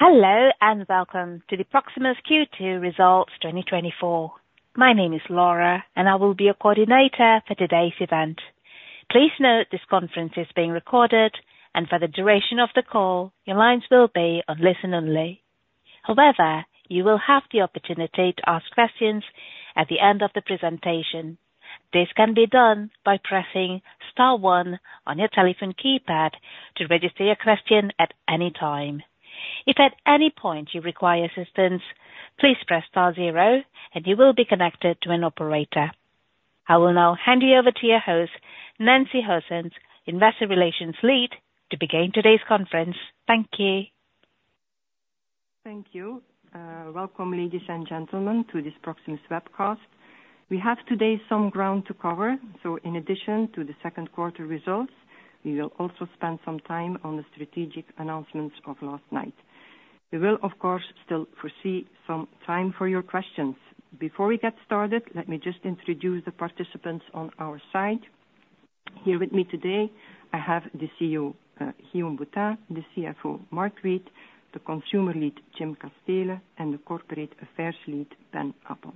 Hello, and welcome to the Proximus Q2 Results 2024. My name is Laura, and I will be your coordinator for today's event. Please note, this conference is being recorded, and for the duration of the call, your lines will be on listen-only. However, you will have the opportunity to ask questions at the end of the presentation. This can be done by pressing star one on your telephone keypad to register your question at any time. If at any point you require assistance, please press star zero, and you will be connected to an operator. I will now hand you over to your host, Nancy Goossens, Investor Relations Lead, to begin today's conference. Thank you. Thank you. Welcome, ladies and gentlemen, to this Proximus webcast. We have today some ground to cover, so in addition to the second quarter results, we will also spend some time on the strategic announcements of last night. We will, of course, still foresee some time for your questions. Before we get started, let me just introduce the participants on our side. Here with me today, I have the CEO, Guillaume Boutin, the CFO, Mark Reid, the Consumer Lead, Jim Casteele, and the Corporate Affairs Lead, Ben Appel.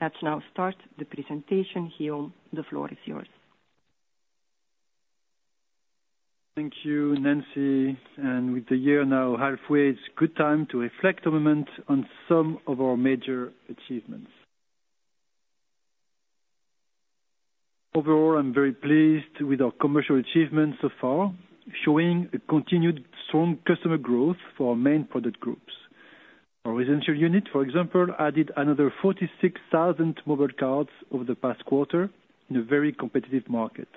Let's now start the presentation. Guillaume, the floor is yours. Thank you, Nancy, and with the year now halfway, it's good time to reflect a moment on some of our major achievements. Overall, I'm very pleased with our commercial achievements so far, showing a continued strong customer growth for our main product groups. Our residential unit, for example, added another 46,000 mobile cards over the past quarter in a very competitive market.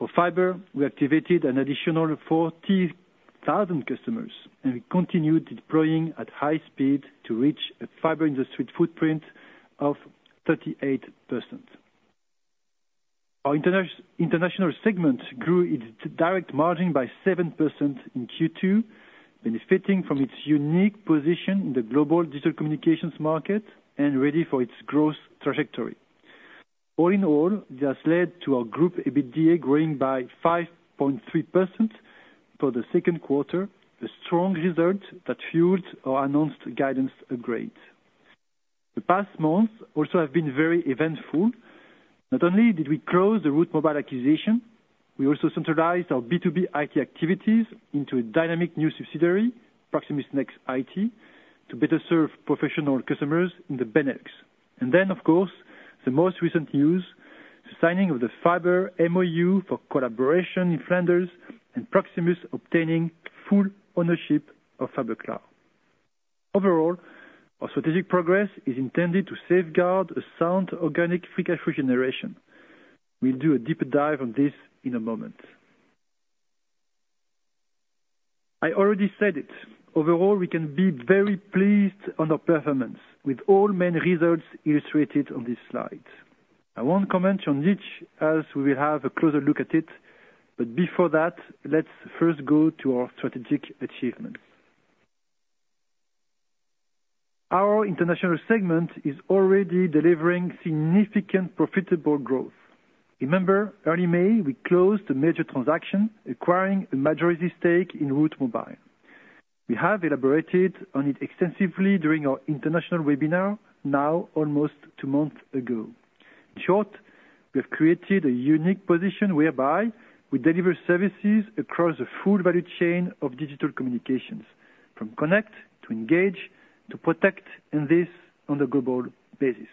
For fiber, we activated an additional 40,000 customers, and we continued deploying at high speed to reach a fiber in the street footprint of 38%. Our international segment grew its direct margin by 7% in Q2, benefiting from its unique position in the global digital communications market and ready for its growth trajectory. All in all, this led to our group EBITDA growing by 5.3% for the second quarter, a strong result that fueled our announced guidance upgrade. The past months also have been very eventful. Not only did we close the Route Mobile acquisition, we also centralized our B2B IT activities into a dynamic new subsidiary, Proximus NXT IT, to better serve professional customers in the Benelux. And then, of course, the most recent news, the signing of the Fiber MoU for collaboration in Flanders and Proximus obtaining full ownership of Fiberklaar. Overall, our strategic progress is intended to safeguard a sound, organic free cash flow generation. We'll do a deeper dive on this in a moment. I already said it. Overall, we can be very pleased on our performance with all main results illustrated on this slide. I won't comment on each, as we will have a closer look at it, but before that, let's first go to our strategic achievements. Our international segment is already delivering significant profitable growth. Remember, early May, we closed a major transaction acquiring a majority stake in Route Mobile. We have elaborated on it extensively during our international webinar, now almost two months ago. In short, we have created a unique position whereby we deliver services across a full value chain of digital communications, from connect, to engage, to protect, and this on a global basis.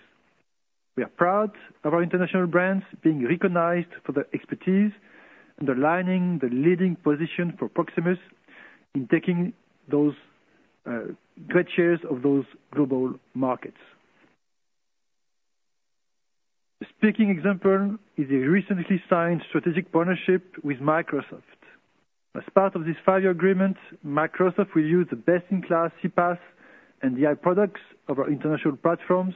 We are proud of our international brands being recognized for their expertise and aligning the leading position for Proximus in taking those great shares of those global markets. A speaking example is a recently signed strategic partnership with Microsoft. As part of this 5-year agreement, Microsoft will use the best-in-class CPaaS and AI products of our international platforms,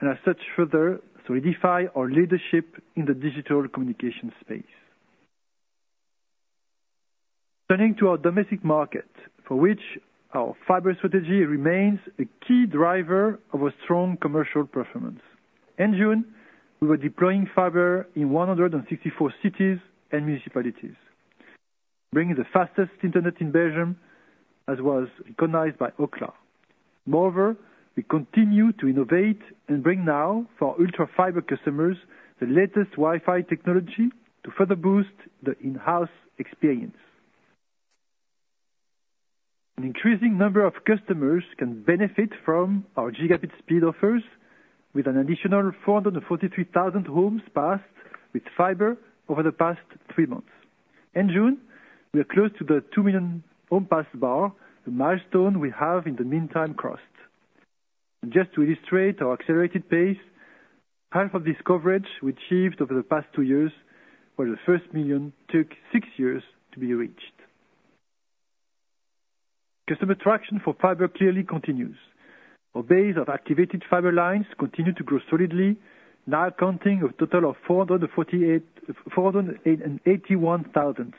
and as such, further solidify our leadership in the digital communication space. Turning to our domestic market, for which our fiber strategy remains a key driver of a strong commercial performance. In June, we were deploying fiber in 164 cities and municipalities, bringing the fastest internet in Belgium, as was recognized by Ookla. Moreover, we continue to innovate and bring now for ultra-fiber customers, the latest Wi-Fi technology to further boost the in-house experience. An increasing number of customers can benefit from our gigabit speed offers with an additional 443,000 homes passed with fiber over the past three months. In June, we are close to the 2 million home passed bar, the milestone we have in the meantime crossed. Just to illustrate our accelerated pace, half of this coverage we achieved over the past past years, where the first 1 million took six years to be reached. Customer traction for fiber clearly continues. Our base of activated fiber lines continues to grow solidly, now accounting for a total of 448,481.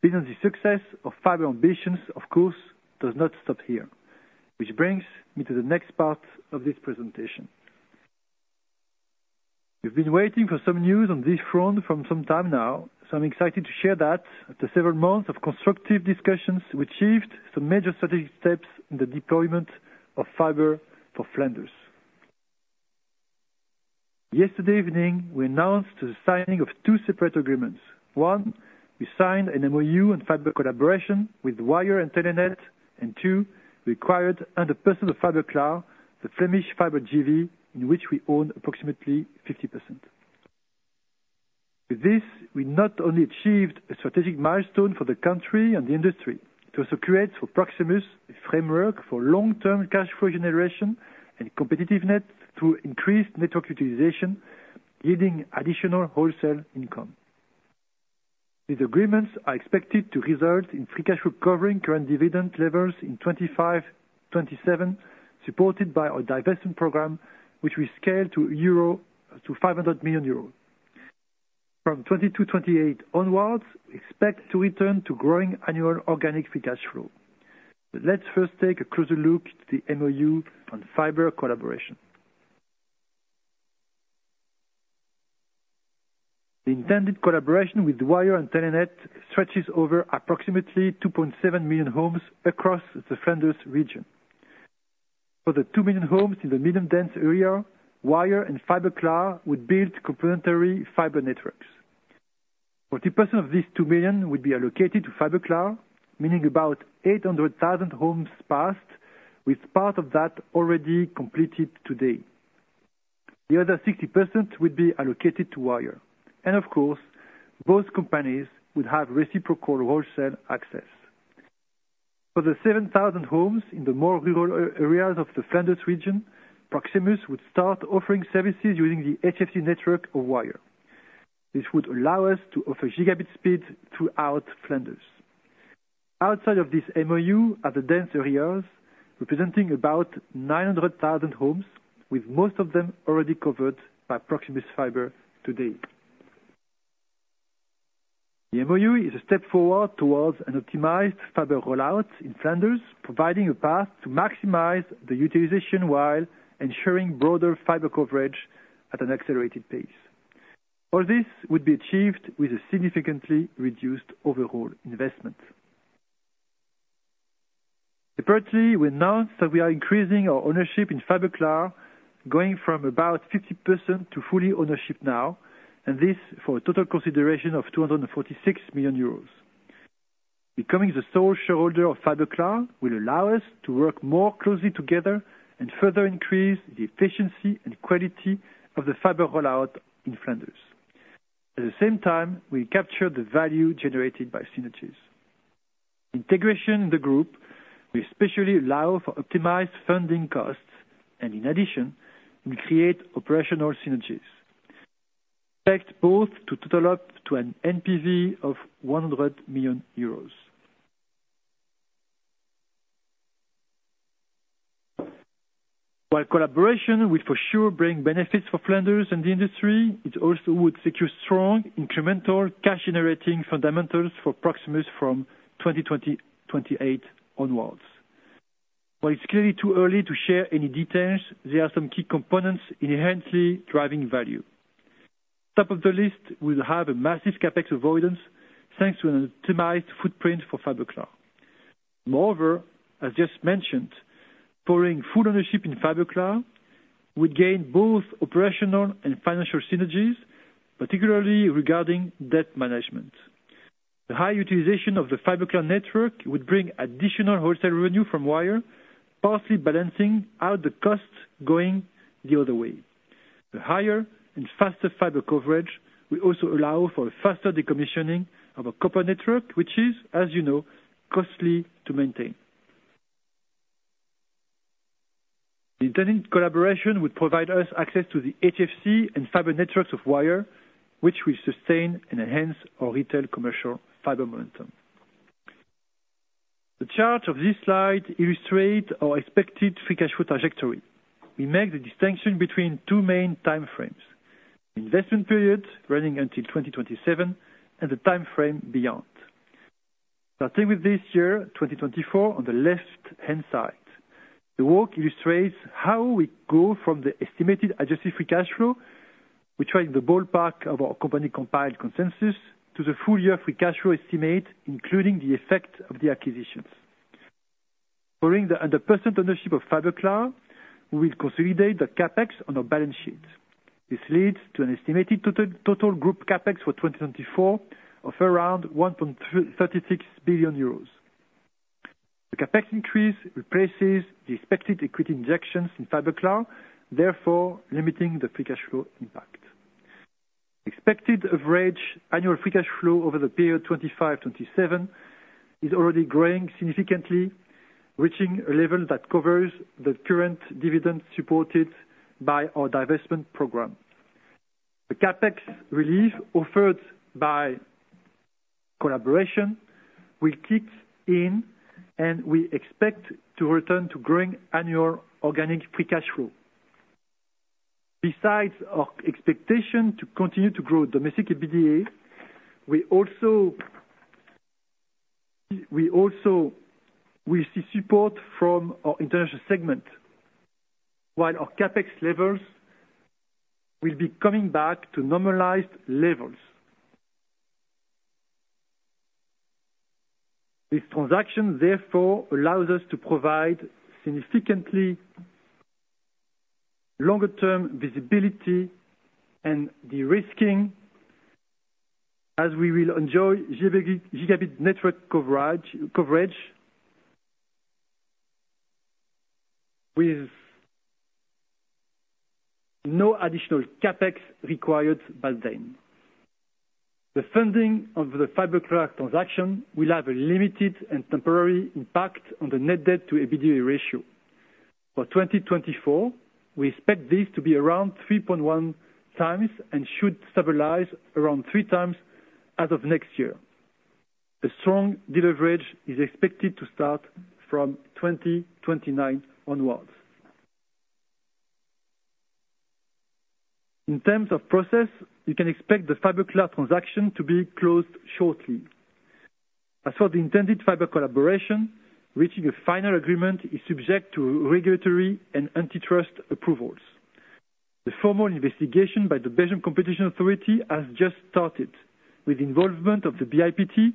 Business success of fiber ambitions, of course, does not stop here. Which brings me to the next part of this presentation... We've been waiting for some news on this front for some time now, so I'm excited to share that after several months of constructive discussions, we achieved some major strategic steps in the deployment of fiber for Flanders. Yesterday evening, we announced the signing of two separate agreements. One, we signed an MOU on fiber collaboration with Wyre and Telenet, and two, we acquired 100% of Fiberklaar, the Flemish fiber JV, in which we own approximately 50%. With this, we not only achieved a strategic milestone for the country and the industry, it also creates for Proximus a framework for long-term cash flow generation and competitiveness through increased network utilization, yielding additional wholesale income. These agreements are expected to result in free cash flow covering current dividend levels in 2025-2027, supported by our divestment program, which we scaled to 500 million euros. From 2020 to 2028 onwards, we expect to return to growing annual organic free cash flow. Let's first take a closer look to the MOU on fiber collaboration. The intended collaboration with Wyre and Telenet stretches over approximately 2.7 million homes across the Flanders region. For the 2 million homes in the medium dense area, Wyre and Fiberklaar would build complementary fiber networks. 40% of these 2 million would be allocated to Fiberklaar, meaning about 800,000 homes passed, with part of that already completed today. The other 60% would be allocated to Wyre, and of course, both companies would have reciprocal wholesale access. For the 7,000 homes in the more rural areas of the Flanders region, Proximus would start offering services using the HFC network of Wyre. This would allow us to offer gigabit speeds throughout Flanders. Outside of this MoU are the dense areas, representing about 900,000 homes, with most of them already covered by Proximus fiber today. The MoU is a step forward towards an optimized fiber rollout in Flanders, providing a path to maximize the utilization while ensuring broader fiber coverage at an accelerated pace. All this would be achieved with a significantly reduced overall investment. Separately, we announced that we are increasing our ownership in Fiberklaar, going from about 50% to full ownership now, and this for a total consideration of 246 million euros. Becoming the sole shareholder of Fiberklaar will allow us to work more closely together and further increase the efficiency and quality of the fiber rollout in Flanders. At the same time, we capture the value generated by synergies. Integration in the group will especially allow for optimized funding costs, and in addition, will create operational synergies. Expect both to total up to an NPV of 100 million euros. While collaboration will for sure bring benefits for Flanders and the industry, it also would secure strong incremental cash-generating fundamentals for Proximus from 2028 onwards. While it's clearly too early to share any details, there are some key components inherently driving value. Top of the list, we'll have a massive CapEx avoidance, thanks to an optimized footprint for Fiberklaar. Moreover, as just mentioned, pouring full ownership in Fiberklaar would gain both operational and financial synergies, particularly regarding debt management. The high utilization of the Fiberklaar network would bring additional wholesale revenue from Wyre, partly balancing out the costs going the other way. The higher and faster fiber coverage will also allow for faster decommissioning of our copper network, which is, as you know, costly to maintain. The intended collaboration would provide us access to the HFC and fiber networks of Wyre, which will sustain and enhance our retail commercial fiber momentum. The chart of this slide illustrate our expected free cash flow trajectory. We make the distinction between two main time frames: the investment period, running until 2027, and the time frame beyond. Starting with this year, 2024, on the left-hand side, the work illustrates how we go from the estimated adjusted free cash flow. We tried the ballpark of our company-compiled consensus to the full year free cash flow estimate, including the effect of the acquisitions. Following the 100% ownership of Fiberklaar, we will consolidate the CapEx on our balance sheet. This leads to an estimated total group CapEx for 2024 of around 1.36 billion euros. The CapEx increase replaces the expected equity injections in Fiberklaar, therefore limiting the free cash flow impact. Expected average annual free cash flow over the period 2025-2027 is already growing significantly, reaching a level that covers the current dividend supported by our divestment program. The CapEx relief offered by collaboration will kick in, and we expect to return to growing annual organic free cash flow. Besides our expectation to continue to grow domestic EBITDA, we also will see support from our international segment, while our CapEx levels will be coming back to normalized levels. This transaction, therefore, allows us to provide significantly longer term visibility and de-risking, as we will enjoy gigabit network coverage with no additional CapEx required by then. The funding of the Fiberklaar transaction will have a limited and temporary impact on the net debt to EBITDA ratio. For 2024, we expect this to be around 3.1 times, and should stabilize around 3 times as of next year. The strong deleverage is expected to start from 2029 onwards. In terms of process, you can expect the Fiberklaar transaction to be closed shortly. As for the intended fiber collaboration, reaching a final agreement is subject to regulatory and antitrust approvals. The formal investigation by the Belgian Competition Authority has just started, with involvement of the BIPT,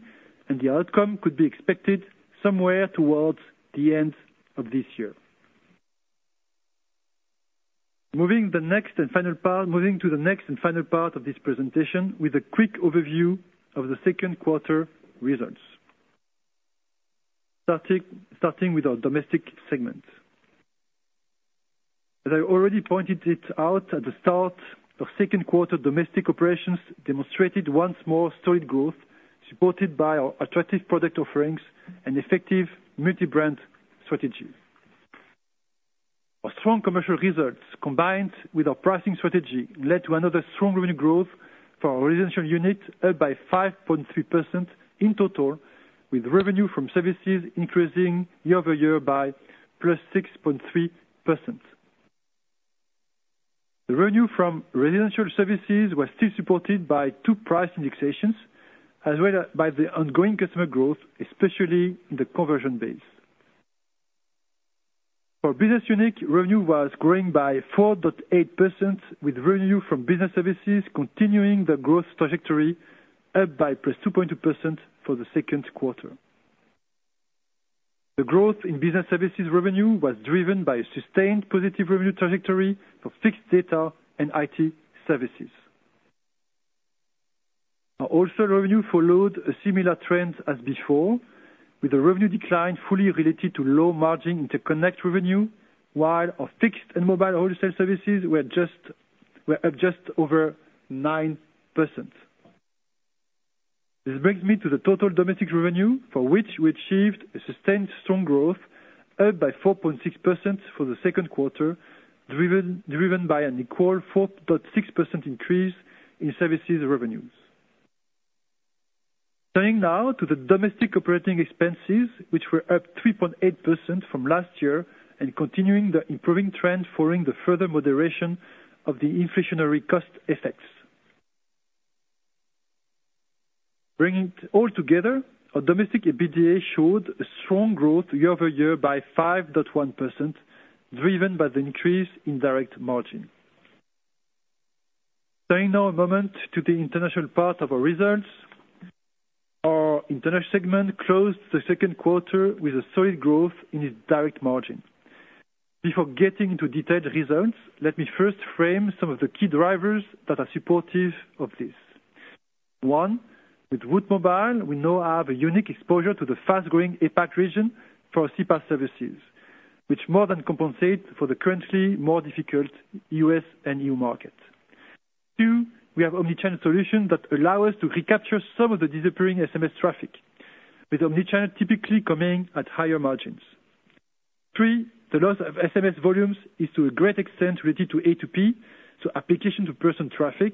and the outcome could be expected somewhere towards the end of this year. Moving to the next and final part of this presentation, with a quick overview of the second quarter results. Starting with our domestic segment. As I already pointed it out at the start, our second quarter domestic operations demonstrated once more solid growth, supported by our attractive product offerings and effective multi-brand strategy. Our strong commercial results, combined with our pricing strategy, led to another strong revenue growth for our residential unit, up by 5.3% in total, with revenue from services increasing year-over-year by +6.3%. The revenue from residential services was still supported by two price indexations, as well as by the ongoing customer growth, especially in the conversion base. Our business unit revenue was growing by 4.8%, with revenue from business services continuing the growth trajectory, up by +2.2% for the second quarter. The growth in business services revenue was driven by a sustained positive revenue trajectory for fixed data and IT services. Our wholesale revenue followed a similar trend as before, with a revenue decline fully related to low margin interconnect revenue, while our fixed and mobile wholesale services were up just over 9%. This brings me to the total domestic revenue, for which we achieved a sustained strong growth, up by 4.6% for the second quarter, driven by an equal 4.6% increase in services revenues. Turning now to the domestic operating expenses, which were up 3.8% from last year, and continuing the improving trend following the further moderation of the inflationary cost effects. Bringing it all together, our domestic EBITDA showed a strong growth year-over-year by 5.1%, driven by the increase in direct margin. Turning now a moment to the international part of our results. Our international segment closed the second quarter with a solid growth in its direct margin. Before getting into detailed results, let me first frame some of the key drivers that are supportive of this. One, with Route Mobile, we now have a unique exposure to the fast-growing APAC region for our CPaaS services, which more than compensate for the currently more difficult US and EU market. Two, we have omnichannel solution that allow us to recapture some of the disappearing SMS traffic, with omnichannel typically coming at higher margins. Three, the loss of SMS volumes is to a great extent related to A2P, so application to person traffic,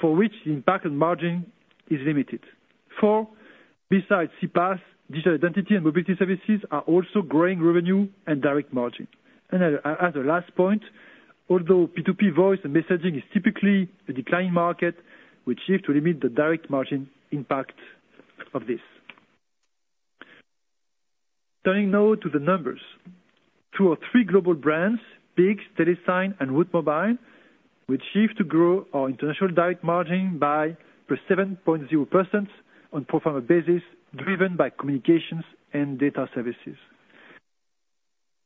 for which the impact on margin is limited. Four, besides CPaaS, digital identity and mobility services are also growing revenue and direct margin. And as, as a last point, although P2P voice and messaging is typically a declining market, we achieve to limit the direct margin impact of this. Turning now to the numbers. Two or three global brands, BICS, TeleSign, and Route Mobile, we achieved to grow our international direct margin by +7.0% on pro forma basis, driven by communications and data services.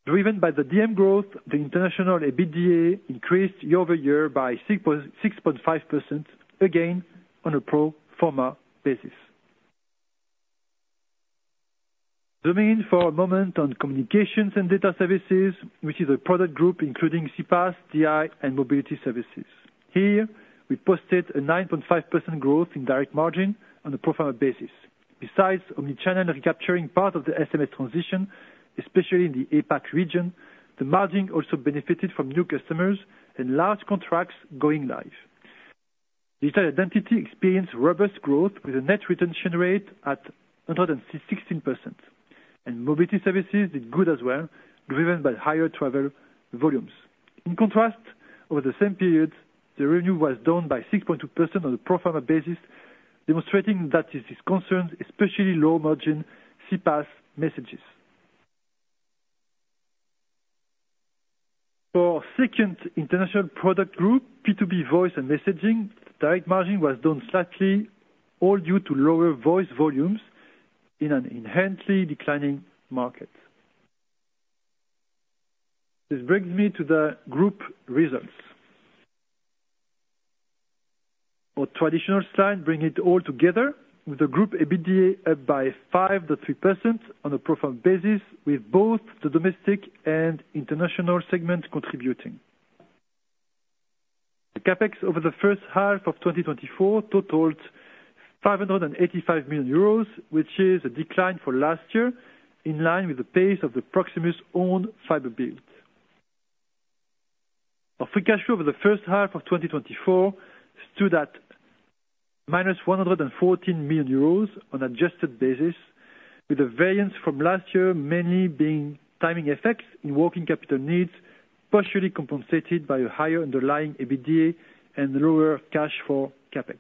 Driven by the DM growth, the international EBITDA increased year-over-year by 6.5%, again, on a pro forma basis. Zooming in for a moment on communications and data services, which is a product group including CPaaS, DI, and mobility services. Here, we posted a 9.5% growth in direct margin on a pro forma basis. Besides omnichannel recapturing part of the SMS transition, especially in the APAC region, the margin also benefited from new customers and large contracts going live. Digital Identity experienced robust growth, with a net retention rate at 116%... and mobility services did good as well, driven by higher travel volumes. In contrast, over the same period, the revenue was down by 6.2% on a pro forma basis, demonstrating that this concerns, especially low margin CPaaS messages. For second international product group, P2P voice and messaging, direct margin was down slightly, all due to lower voice volumes in an inherently declining market. This brings me to the group results. Our traditional slide, bring it all together with the group, EBITDA up by 5.3% on a pro forma basis, with both the domestic and international segment contributing. The CapEx over the first half of 2024 totaled 585 million euros, which is a decline for last year, in line with the pace of the Proximus-owned fiber build. Our free cash flow over the first half of 2024 stood at -114 million euros on adjusted basis, with a variance from last year mainly being timing effects in working capital needs, partially compensated by a higher underlying EBITDA and lower cash for CapEx.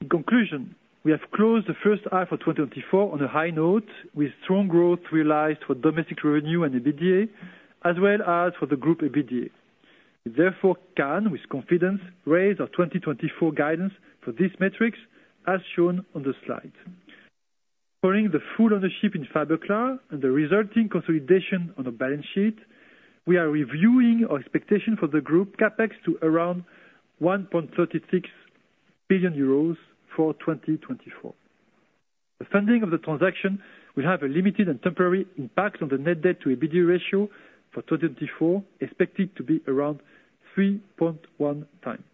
In conclusion, we have closed the first half of 2024 on a high note, with strong growth realized for domestic revenue and EBITDA, as well as for the group EBITDA. Therefore, can with confidence raise our 2024 guidance for these metrics, as shown on the slide. Following the full ownership in Fiberklaar and the resulting consolidation on the balance sheet, we are reviewing our expectation for the group CapEx to around 1.36 billion euros for 2024. The funding of the transaction will have a limited and temporary impact on the net debt to EBITDA ratio for 2024, expected to be around 3.1 times.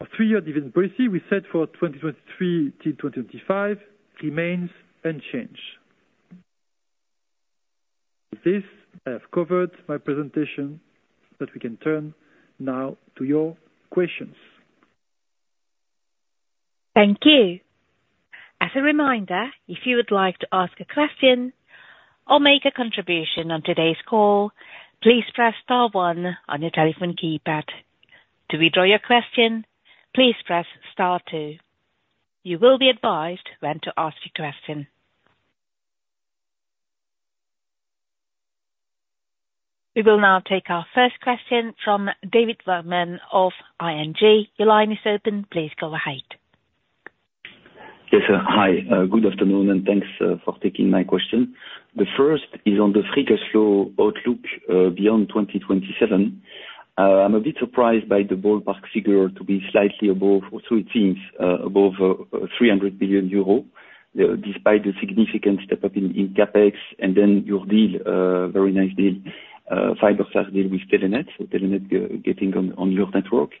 Our 3-year dividend policy we set for 2023 to 2025 remains unchanged. With this, I have covered my presentation, that we can turn now to your questions. Thank you. As a reminder, if you would like to ask a question or make a contribution on today's call, please press star one on your telephone keypad. To withdraw your question, please press star two. You will be advised when to ask your question. We will now take our first question from David Vagman of ING. Your line is open. Please go ahead. Yes, sir. Hi, good afternoon, and thanks for taking my question. The first is on the free cash flow outlook beyond 2027. I'm a bit surprised by the ballpark figure to be slightly above, or so it seems, above 300 billion euro, despite the significant step up in CapEx and then your deal, very nice deal, Fiberklaar deal with Telenet. Telenet getting on your network.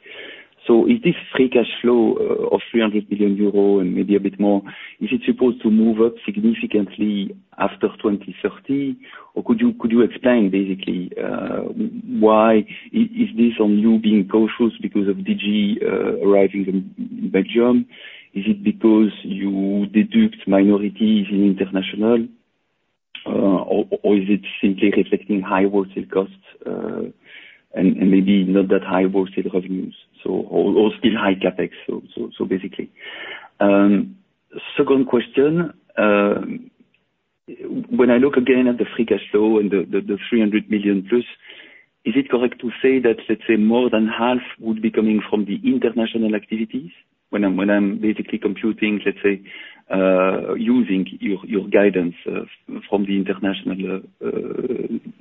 So is this free cash flow of 300 billion euro and maybe a bit more, is it supposed to move up significantly after 2030? Or could you explain basically, why is this on you being cautious because of Digi arriving in Belgium? Is it because you deduct minorities in international, or is it simply reflecting high wholesale costs, and maybe not that high wholesale revenues, or still high CapEx, basically? Second question, when I look again at the free cash flow and the 300 million plus, is it correct to say that, let's say more than half would be coming from the international activities? When I'm basically computing, let's say, using your guidance, from the international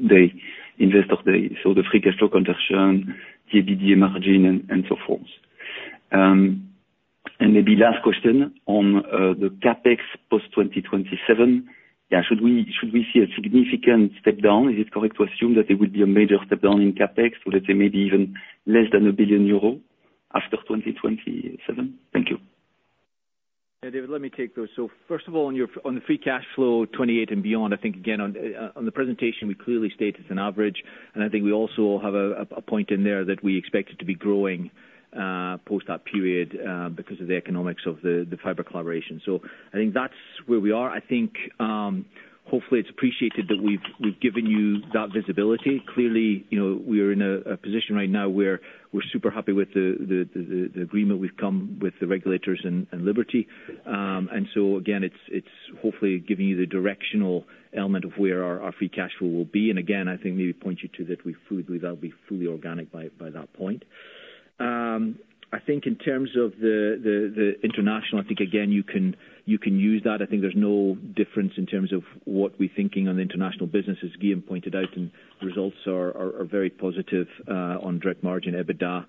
day, Investor Day, so the free cash flow conversion, EBITDA margin, and so forth. And maybe last question on the CapEx post 2027, yeah, should we see a significant step down? Is it correct to assume that there will be a major step down in CapEx, or let's say maybe even less than 1 billion euro after 2027? Thank you. Yeah, David, let me take those. So first of all, on your- on the free cash flow, 2028 and beyond, I think again, on, on the presentation, we clearly state it's an average. And I think we also have a point in there that we expect it to be growing, post that period, because of the economics of the fiber collaboration. So I think that's where we are. I think, hopefully, it's appreciated that we've given you that visibility. Clearly, you know, we are in a position right now where we're super happy with the agreement we've come with the regulators and Liberty. And so again, it's hopefully giving you the directional element of where our free cash flow will be. And again, I think maybe point you to that we've fully, that'll be fully organic by that point. I think in terms of the international, I think again, you can use that. I think there's no difference in terms of what we're thinking on the international business, as Guillaume pointed out, and results are very positive on direct margin, EBITDA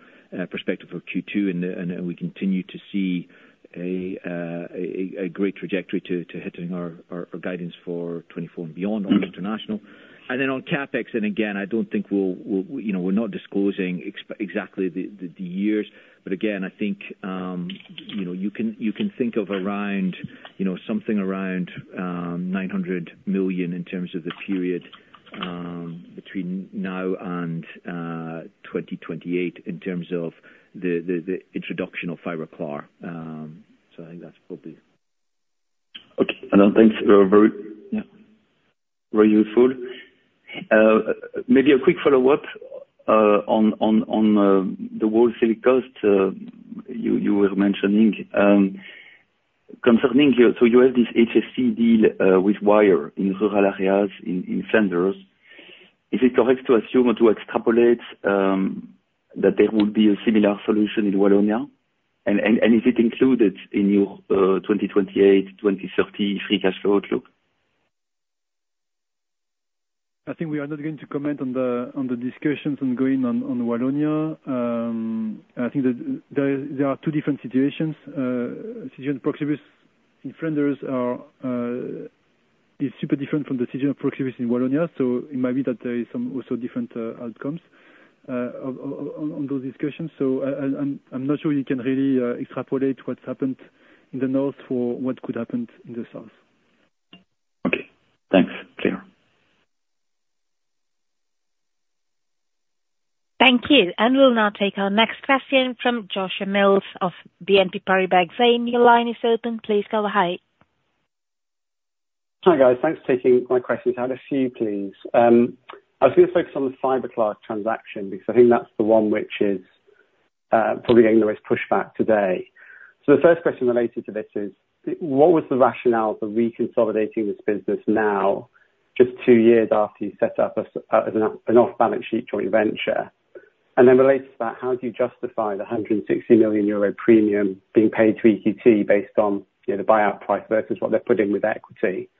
perspective for Q2. And we continue to see a great trajectory to hitting our guidance for 2024 and beyond on international. And then on CapEx, and again, I don't think we'll, you know, we're not disclosing exactly the years. But again, I think, you know, you can, you can think of around, you know, something around, 900 million in terms of the period between now and 2028 in terms of the introduction of Fiberklaar. So I think that's probably. Okay. And then thanks, very, yeah, very useful. Maybe a quick follow-up on the wholesale cost. You were mentioning concerning here, so you have this HFC deal with Wyre in rural areas in Flanders. Is it correct to assume or to extrapolate that there would be a similar solution in Wallonia? And is it included in your 2028, 2030 Free Cash Flow outlook? I think we are not going to comment on the discussions ongoing on Wallonia. I think that there are two different situations. The situation Proximus in Flanders is super different from the situation of Proximus in Wallonia. So it might be that there is some also different outcomes on those discussions. So I'm not sure you can really extrapolate what's happened in the north for what could happen in the south. Okay. Thanks. Clear. Thank you. And we'll now take our next question from Joshua Mills of BNP Paribas. Joshua, your line is open. Please go ahead. Hi, guys. Thanks for taking my questions. I have a few, please. I was gonna focus on the Fiberklaar transaction, because I think that's the one which is probably getting the most pushback today. So the first question related to this is: What was the rationale for reconsolidating this business now, just two years after you set up as an off balance sheet joint venture? And then related to that, how do you justify the 160 million euro premium being paid to EQT, based on, you know, the buyout price versus what they're putting with equity?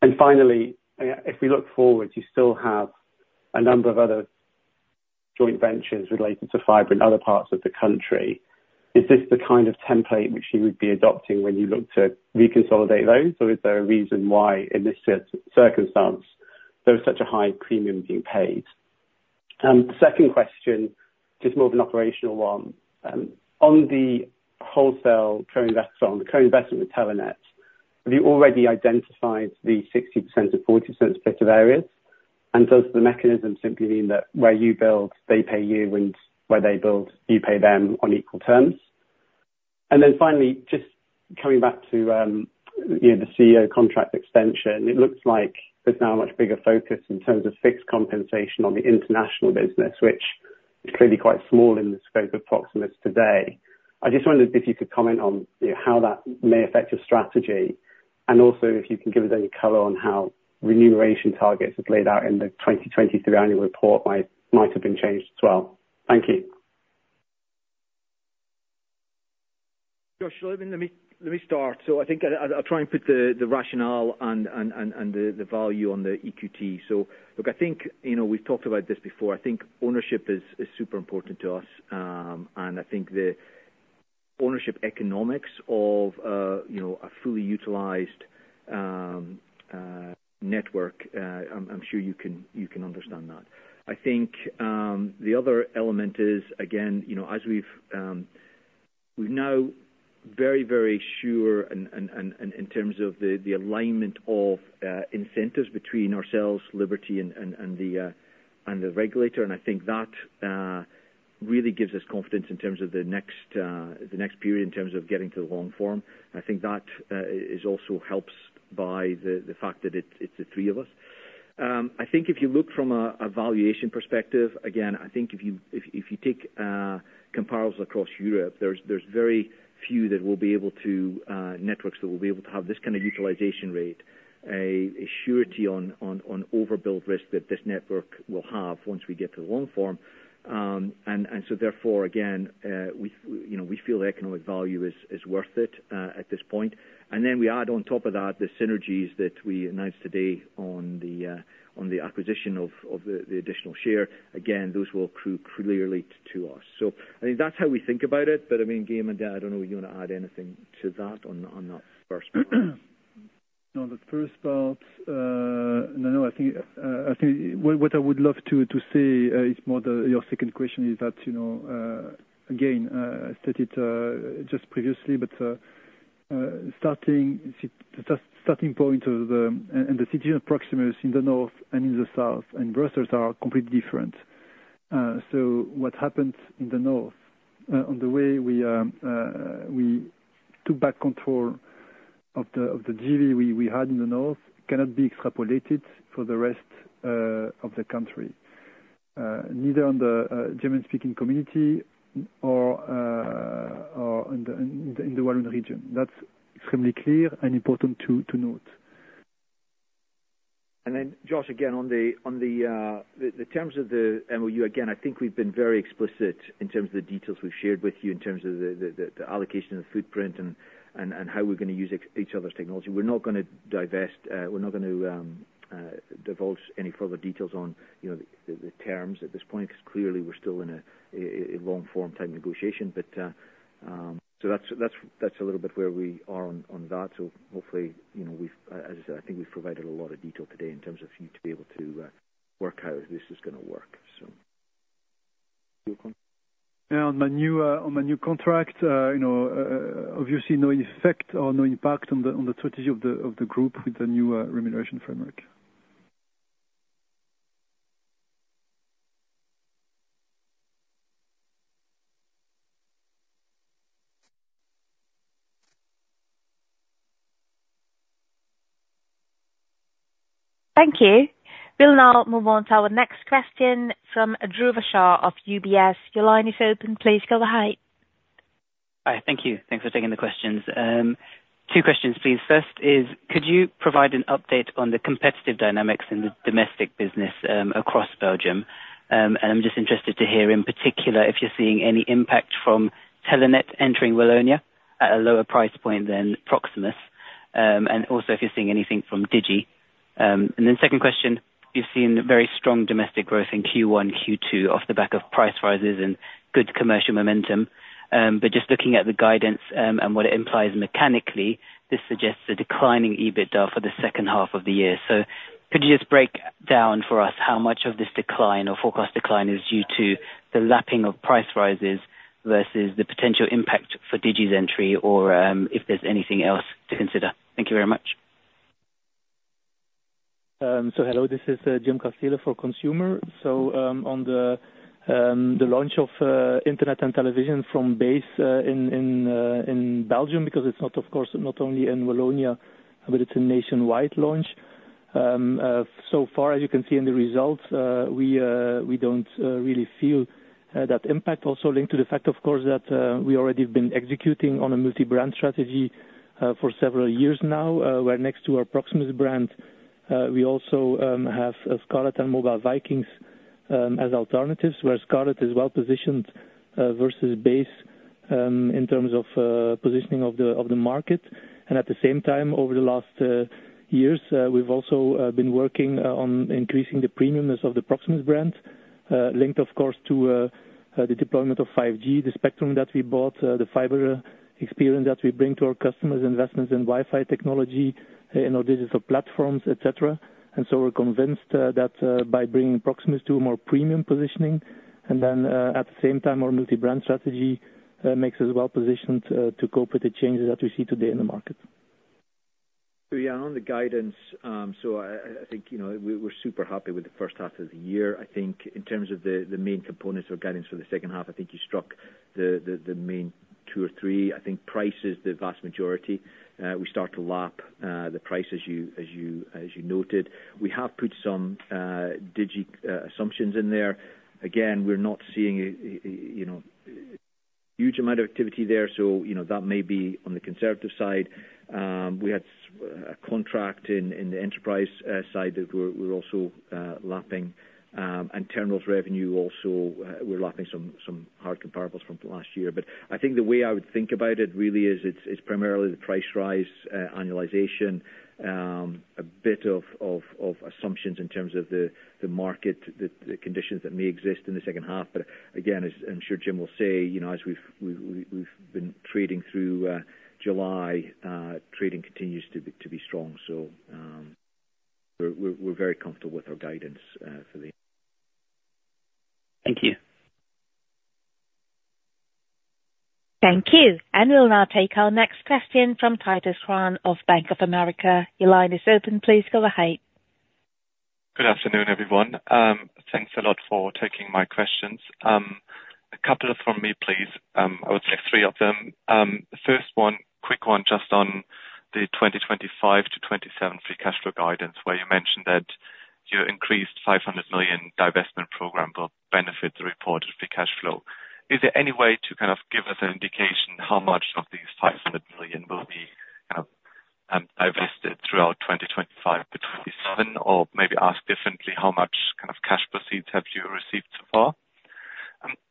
And finally, if we look forward, you still have a number of other joint ventures related to fiber in other parts of the country. Is this the kind of template which you would be adopting when you look to reconsolidate those? Or is there a reason why, in this circumstance, there is such a high premium being paid? Second question, just more of an operational one. On the wholesale co-invest on the co-investment with Telenet, have you already identified the 60%-40% split of areas? And does the mechanism simply mean that where you build, they pay you, and where they build, you pay them on equal terms? And then finally, just coming back to, you know, the CEO contract extension. It looks like there's now a much bigger focus in terms of fixed compensation on the international business, which is clearly quite small in the scope of Proximus today. I just wondered if you could comment on, you know, how that may affect your strategy, and also if you can give us any color on how remuneration targets as laid out in the 2023 annual report by, might have been changed as well. Thank you. Josh, let me start. So I think I'll try and put the rationale and the value on the EQT. So look, I think, you know, we've talked about this before. I think ownership is super important to us, and I think the ownership economics of, you know, a fully utilized network, I'm sure you can understand that. I think the other element is, again, you know, as we've, we're now very sure and in terms of the alignment of incentives between ourselves, Liberty, and the regulator, and I think that really gives us confidence in terms of the next period, in terms of getting to the long form. I think that is also helps by the fact that it's the three of us. I think if you look from a valuation perspective, again, I think if you take comparables across Europe, there's very few networks that will be able to have this kind of utilization rate, a surety on overbuild risk that this network will have once we get to the long form. And so therefore, again, we, you know, we feel the economic value is worth it at this point. And then we add on top of that, the synergies that we announced today on the acquisition of the additional share. Again, those will accrue clearly to us. So I think that's how we think about it. I mean, Guillaume, I don't know, you wanna add anything to that, on, on that first part? On the first part, no, no, I think, I think what I would love to say is more to your second question, is that, you know, again stated just previously, but the starting point of the strategy of Proximus in the north and in the south, and Brussels are completely different. So what happened in the north, on the way we we took back control of the JV we had in the north, cannot be extrapolated for the rest of the country. Neither in the German-speaking community or in the Wallonia region. That's extremely clear and important to note. Then Josh, again, on the terms of the MOU, again, I think we've been very explicit in terms of the details we've shared with you, in terms of the allocation of the footprint and how we're gonna use each other's technology. We're not gonna divest, we're not going to divulge any further details on, you know, the terms at this point, 'cause clearly we're still in a long-form type negotiation. But, so that's a little bit where we are on that. So hopefully, you know, we've, as I said, I think we've provided a lot of detail today in terms of you to be able to work out this is gonna work. Yeah, on the new contract, you know, obviously no effect or no impact on the strategy of the group with the new remuneration framework. Thank you. We'll now move on to our next question from Dhruva Shah of UBS. Your line is open. Please go ahead. Hi, thank you. Thanks for taking the questions. Two questions, please. First is, could you provide an update on the competitive dynamics in the domestic business, across Belgium? And I'm just interested to hear, in particular, if you're seeing any impact from Telenet entering Wallonia at a lower price point than Proximus, and also if you're seeing anything from Digi. And then second question, you've seen very strong domestic growth in Q1, Q2 off the back of price rises and good commercial momentum. But just looking at the guidance, and what it implies mechanically, this suggests a declining EBITDA for the second half of the year. Could you just break down for us how much of this decline or forecast decline is due to the lapping of price rises versus the potential impact for DIGI's entry or, if there's anything else to consider? Thank you very much. Hello, this is Jim Casteele for Consumer. On the launch of internet and television from BASE in Belgium, because it's not, of course, not only in Wallonia, but it's a nationwide launch. So far, as you can see in the results, we don't really feel that impact also linked to the fact, of course, that we already have been executing on a multi-brand strategy for several years now. Where next to our Proximus brand, we also have Scarlet and Mobile Vikings as alternatives. Where Scarlet is well positioned versus BASE in terms of positioning of the market. At the same time, over the last years, we've also been working on increasing the premiumness of the Proximus brand. Linked, of course, to the deployment of 5G, the spectrum that we bought, the fiber experience that we bring to our customers, investments in Wi-Fi technology, and our digital platforms, et cetera. So we're convinced that by bringing Proximus to a more premium positioning, and then at the same time, our multi-brand strategy makes us well positioned to cope with the changes that we see today in the market. So yeah, on the guidance, so I think, you know, we're super happy with the first half of the year. I think in terms of the main components or guidance for the second half, I think you struck the main two or three. I think price is the vast majority. We start to lap the price as you noted. We have put some Digi assumptions in there. Again, we're not seeing you know, huge amount of activity there, so, you know, that may be on the conservative side. We had a contract in the enterprise side that we're also lapping. And terminals revenue also, we're lapping some hard comparables from last year. But I think the way I would think about it really is it's primarily the price rise, annualization, a bit of assumptions in terms of the market, the conditions that may exist in the second half. But again, as I'm sure Jim will say, you know, as we've been trading through July, trading continues to be strong. So, we're very comfortable with our guidance for the- Thank you. Thank you. We'll now take our next question from Titus Krahn of Bank of America. Your line is open. Please go ahead. Good afternoon, everyone. Thanks a lot for taking my questions. A couple from me, please. I would say three of them. The first one, quick one, just on the 2025-2027 free cash flow guidance, where you mentioned that your increased 500 million divestment program will benefit the reported free cash flow. Is there any way to kind of give us an indication how much of these 500 million will be divested throughout 2025-2027? Or maybe ask differently, how much kind of cash proceeds have you received so far?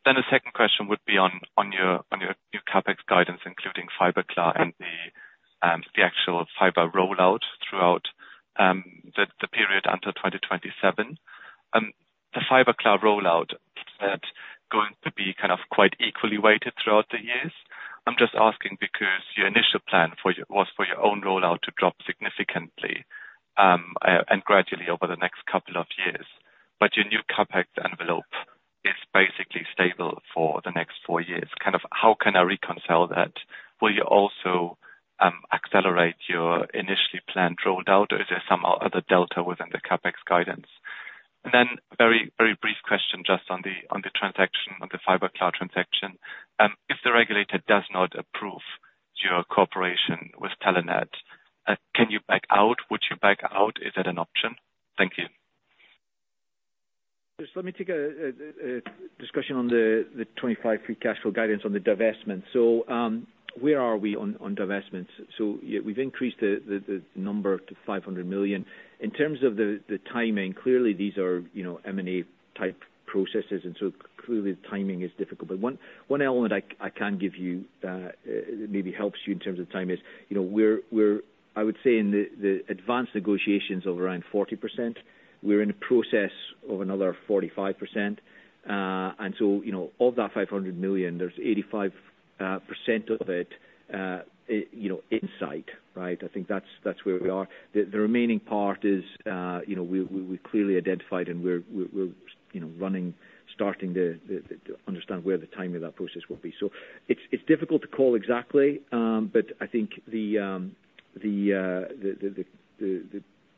Then the second question would be on your new CapEx guidance, including Fiberklaar and the actual fiber rollout throughout the period until 2027. The Fiberklaar rollout, is that going to be kind of quite equally weighted throughout the years? I'm just asking because your initial plan was for your own rollout to drop significantly and gradually over the next couple of years. But your new CapEx envelope is basically stable for the next four years. Kind of, how can I reconcile that? Will you also accelerate your initially planned rollout, or is there some other delta within the CapEx guidance? And then very, very brief question, just on the, on the transaction, on the Fiberklaar transaction. If the regulator does not approve your cooperation with Telenet, can you back out? Would you back out? Is that an option? Thank you. Just let me take a discussion on the 25 free cash flow guidance on the divestment. So, where are we on divestments? So, yeah, we've increased the number to 500 million. In terms of the timing, clearly these are, you know, M&A-type processes, and so clearly the timing is difficult. But one element I can give you, maybe helps you in terms of time, is. You know, we're I would say in the advanced negotiations of around 40%. We're in the process of another 45%. And so, you know, of that 500 million, there's 85% of it, you know, in sight, right? I think that's where we are. The remaining part is, you know, we clearly identified, and we're running, starting to understand where the timing of that process will be. So it's difficult to call exactly, but I think the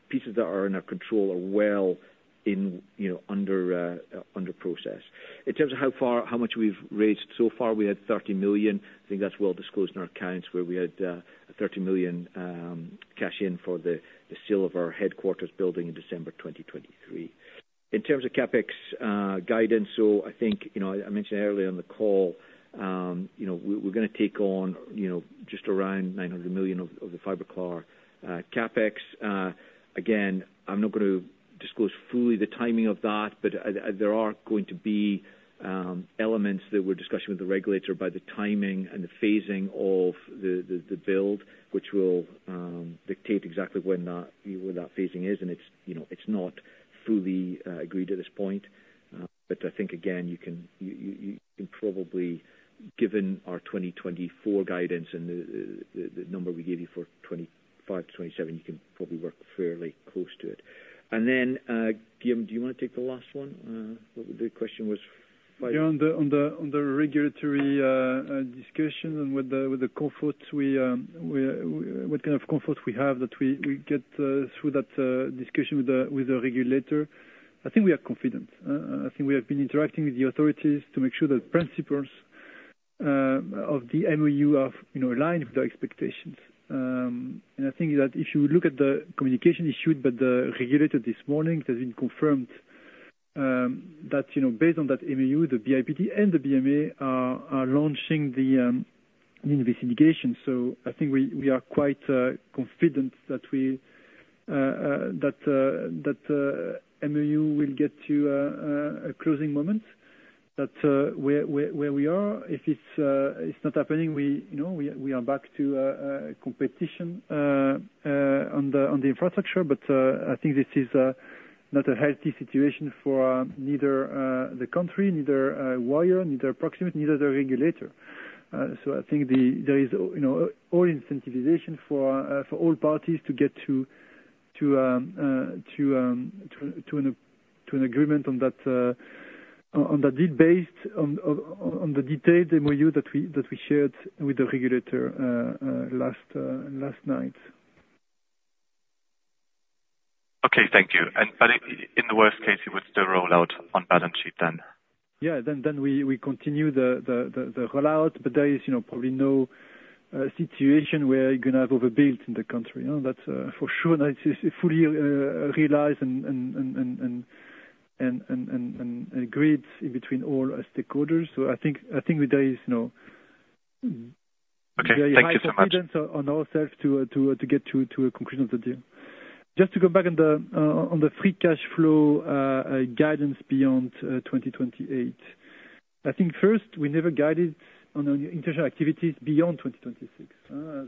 pieces that are in our control are well in, you know, under process. In terms of how far, how much we've raised so far, we had 30 million. I think that's well disclosed in our accounts, where we had 30 million cash in for the sale of our headquarters building in December 2023. In terms of CapEx guidance, so I think, you know, I mentioned earlier in the call, you know, we're gonna take on, you know, just around 900 million of the fiber CapEx. Again, I'm not going to disclose fully the timing of that, but at, there are going to be elements that we're discussing with the regulator about the timing and the phasing of the build, which will dictate exactly when that phasing is. And it's, you know, it's not fully agreed at this point. But I think, again, you can probably, given our 2024 guidance and the number we gave you for 2025-2027, you can probably work fairly close to it. And then, Guillaume, do you wanna take the last one? What the question was five- Yeah, on the regulatory discussion and with the comfort we have that we get through that discussion with the regulator, I think we are confident. I think we have been interacting with the authorities to make sure that principles of the MOU are, you know, aligned with their expectations. And I think that if you look at the communication issued by the regulator this morning, it has been confirmed that, you know, based on that MOU, the BIPT and the BMA are launching this litigation. So I think we are quite confident that that MOU will get to a closing moment. That, where we are, if it's not happening, you know, we are back to competition on the infrastructure. But I think this is not a healthy situation for neither the country, neither Wyre, neither Proximus, neither the regulator. So I think there is, you know, all incentivization for all parties to get to an agreement on that, on the deal based on the detailed MoU that we shared with the regulator last night. Okay, thank you. But in the worst case, it was the rollout on balance sheet then? Yeah. Then we continue the rollout, but there is, you know, probably no situation where you're gonna have overbuilt in the country. You know, that's for sure, that is fully realized and agreed in between all our stakeholders. So I think there is no- Okay. Thank you so much. On ourselves to get to a conclusion of the deal. Just to go back on the, on the free cash flow, guidance beyond 2028. I think first, we never guided on the international activities beyond 2026.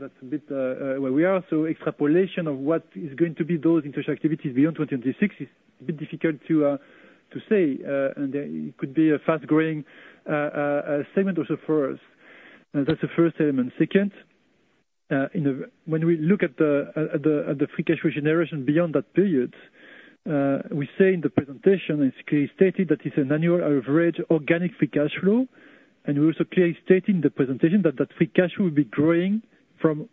That's a bit where we are. So extrapolation of what is going to be those international activities beyond 2026 is a bit difficult to say, and it could be a fast-growing segment also for us. That's the first element. Second, in the... When we look at the free cash generation beyond that period, we say in the presentation, it's clearly stated that it's an annual average organic free cash flow, and we also clearly state in the presentation that free cash will be growing from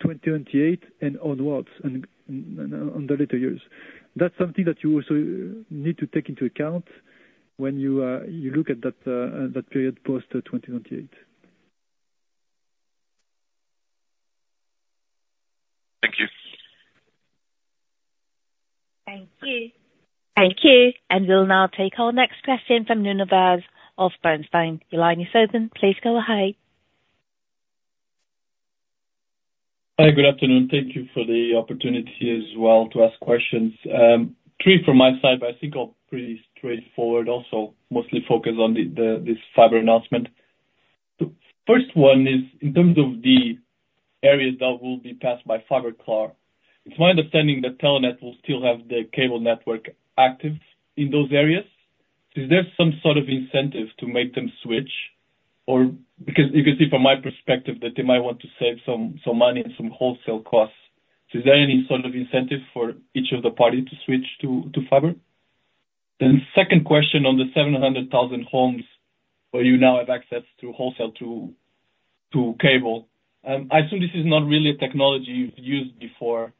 2028 and onwards and on the later years. That's something that you also need to take into account when you look at that period post 2028. Thank you. Thank you. Thank you, and we'll now take our next question from Nuno Vaz of Bernstein. Line is open, please go ahead. Hi, good afternoon. Thank you for the opportunity as well to ask questions. Three from my side, but I think all pretty straightforward, also mostly focused on this fiber announcement. The first one is, in terms of the areas that will be passed by Fiberklaar, it's my understanding that Telenet will still have the cable network active in those areas. So is there some sort of incentive to make them switch or... Because you can see from my perspective, that they might want to save some money and some wholesale costs. So is there any sort of incentive for each of the parties to switch to fiber? Then second question on the 700,000 homes where you now have access to wholesale to cable. I assume this is not really a technology you've used before.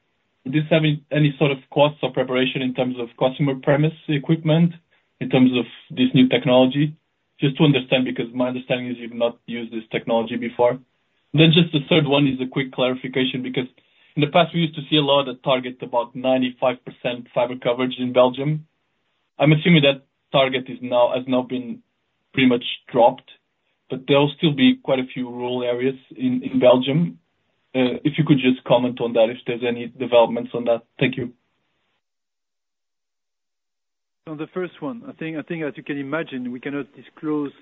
Does this have any, any sort of costs or preparation in terms of customer premise equipment, in terms of this new technology? Just to understand, because my understanding is you've not used this technology before. Then just the third one is a quick clarification, because in the past we used to see a lot of target, about 95% fiber coverage in Belgium. I'm assuming that target is now, has now been pretty much dropped, but there will still be quite a few rural areas in, in Belgium. If you could just comment on that, if there's any developments on that. Thank you. On the first one, I think as you can imagine, we cannot disclose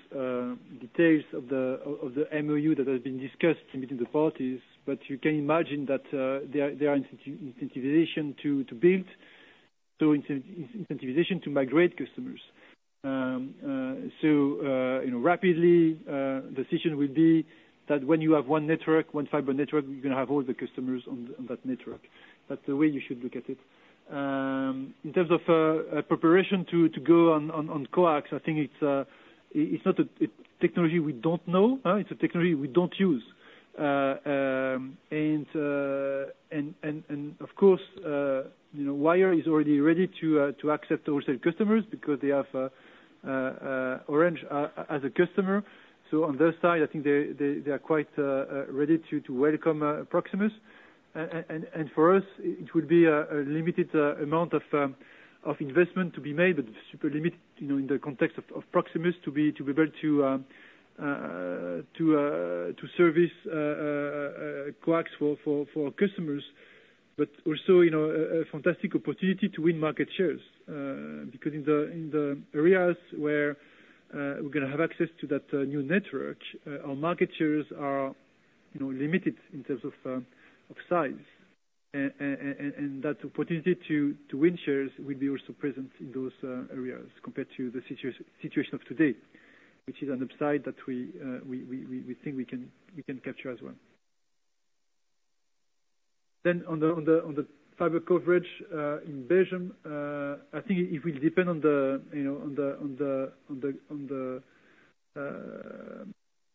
details of the MOU that has been discussed between the parties. But you can imagine that there are incentivization to build, so incentivization to migrate customers. So, you know, rapidly, decision will be that when you have one network, one fiber network, you're gonna have all the customers on that network. That's the way you should look at it. In terms of a preparation to go on coax, I think it's not a technology we don't know, it's a technology we don't use. And of course, you know, Wyre is already ready to accept wholesale customers because they have Orange as a customer. So on their side, I think they are quite ready to welcome Proximus. And for us, it would be a limited amount of investment to be made, but super limited, you know, in the context of Proximus, to be able to service coax for customers. But also, you know, a fantastic opportunity to win market shares. Because in the areas where we're gonna have access to that new network, our market shares are, you know, limited in terms of size. And that opportunity to win shares will be also present in those areas compared to the situation of today, which is an upside that we think we can capture as well. Then on the fiber coverage in Belgium, I think it will depend on you know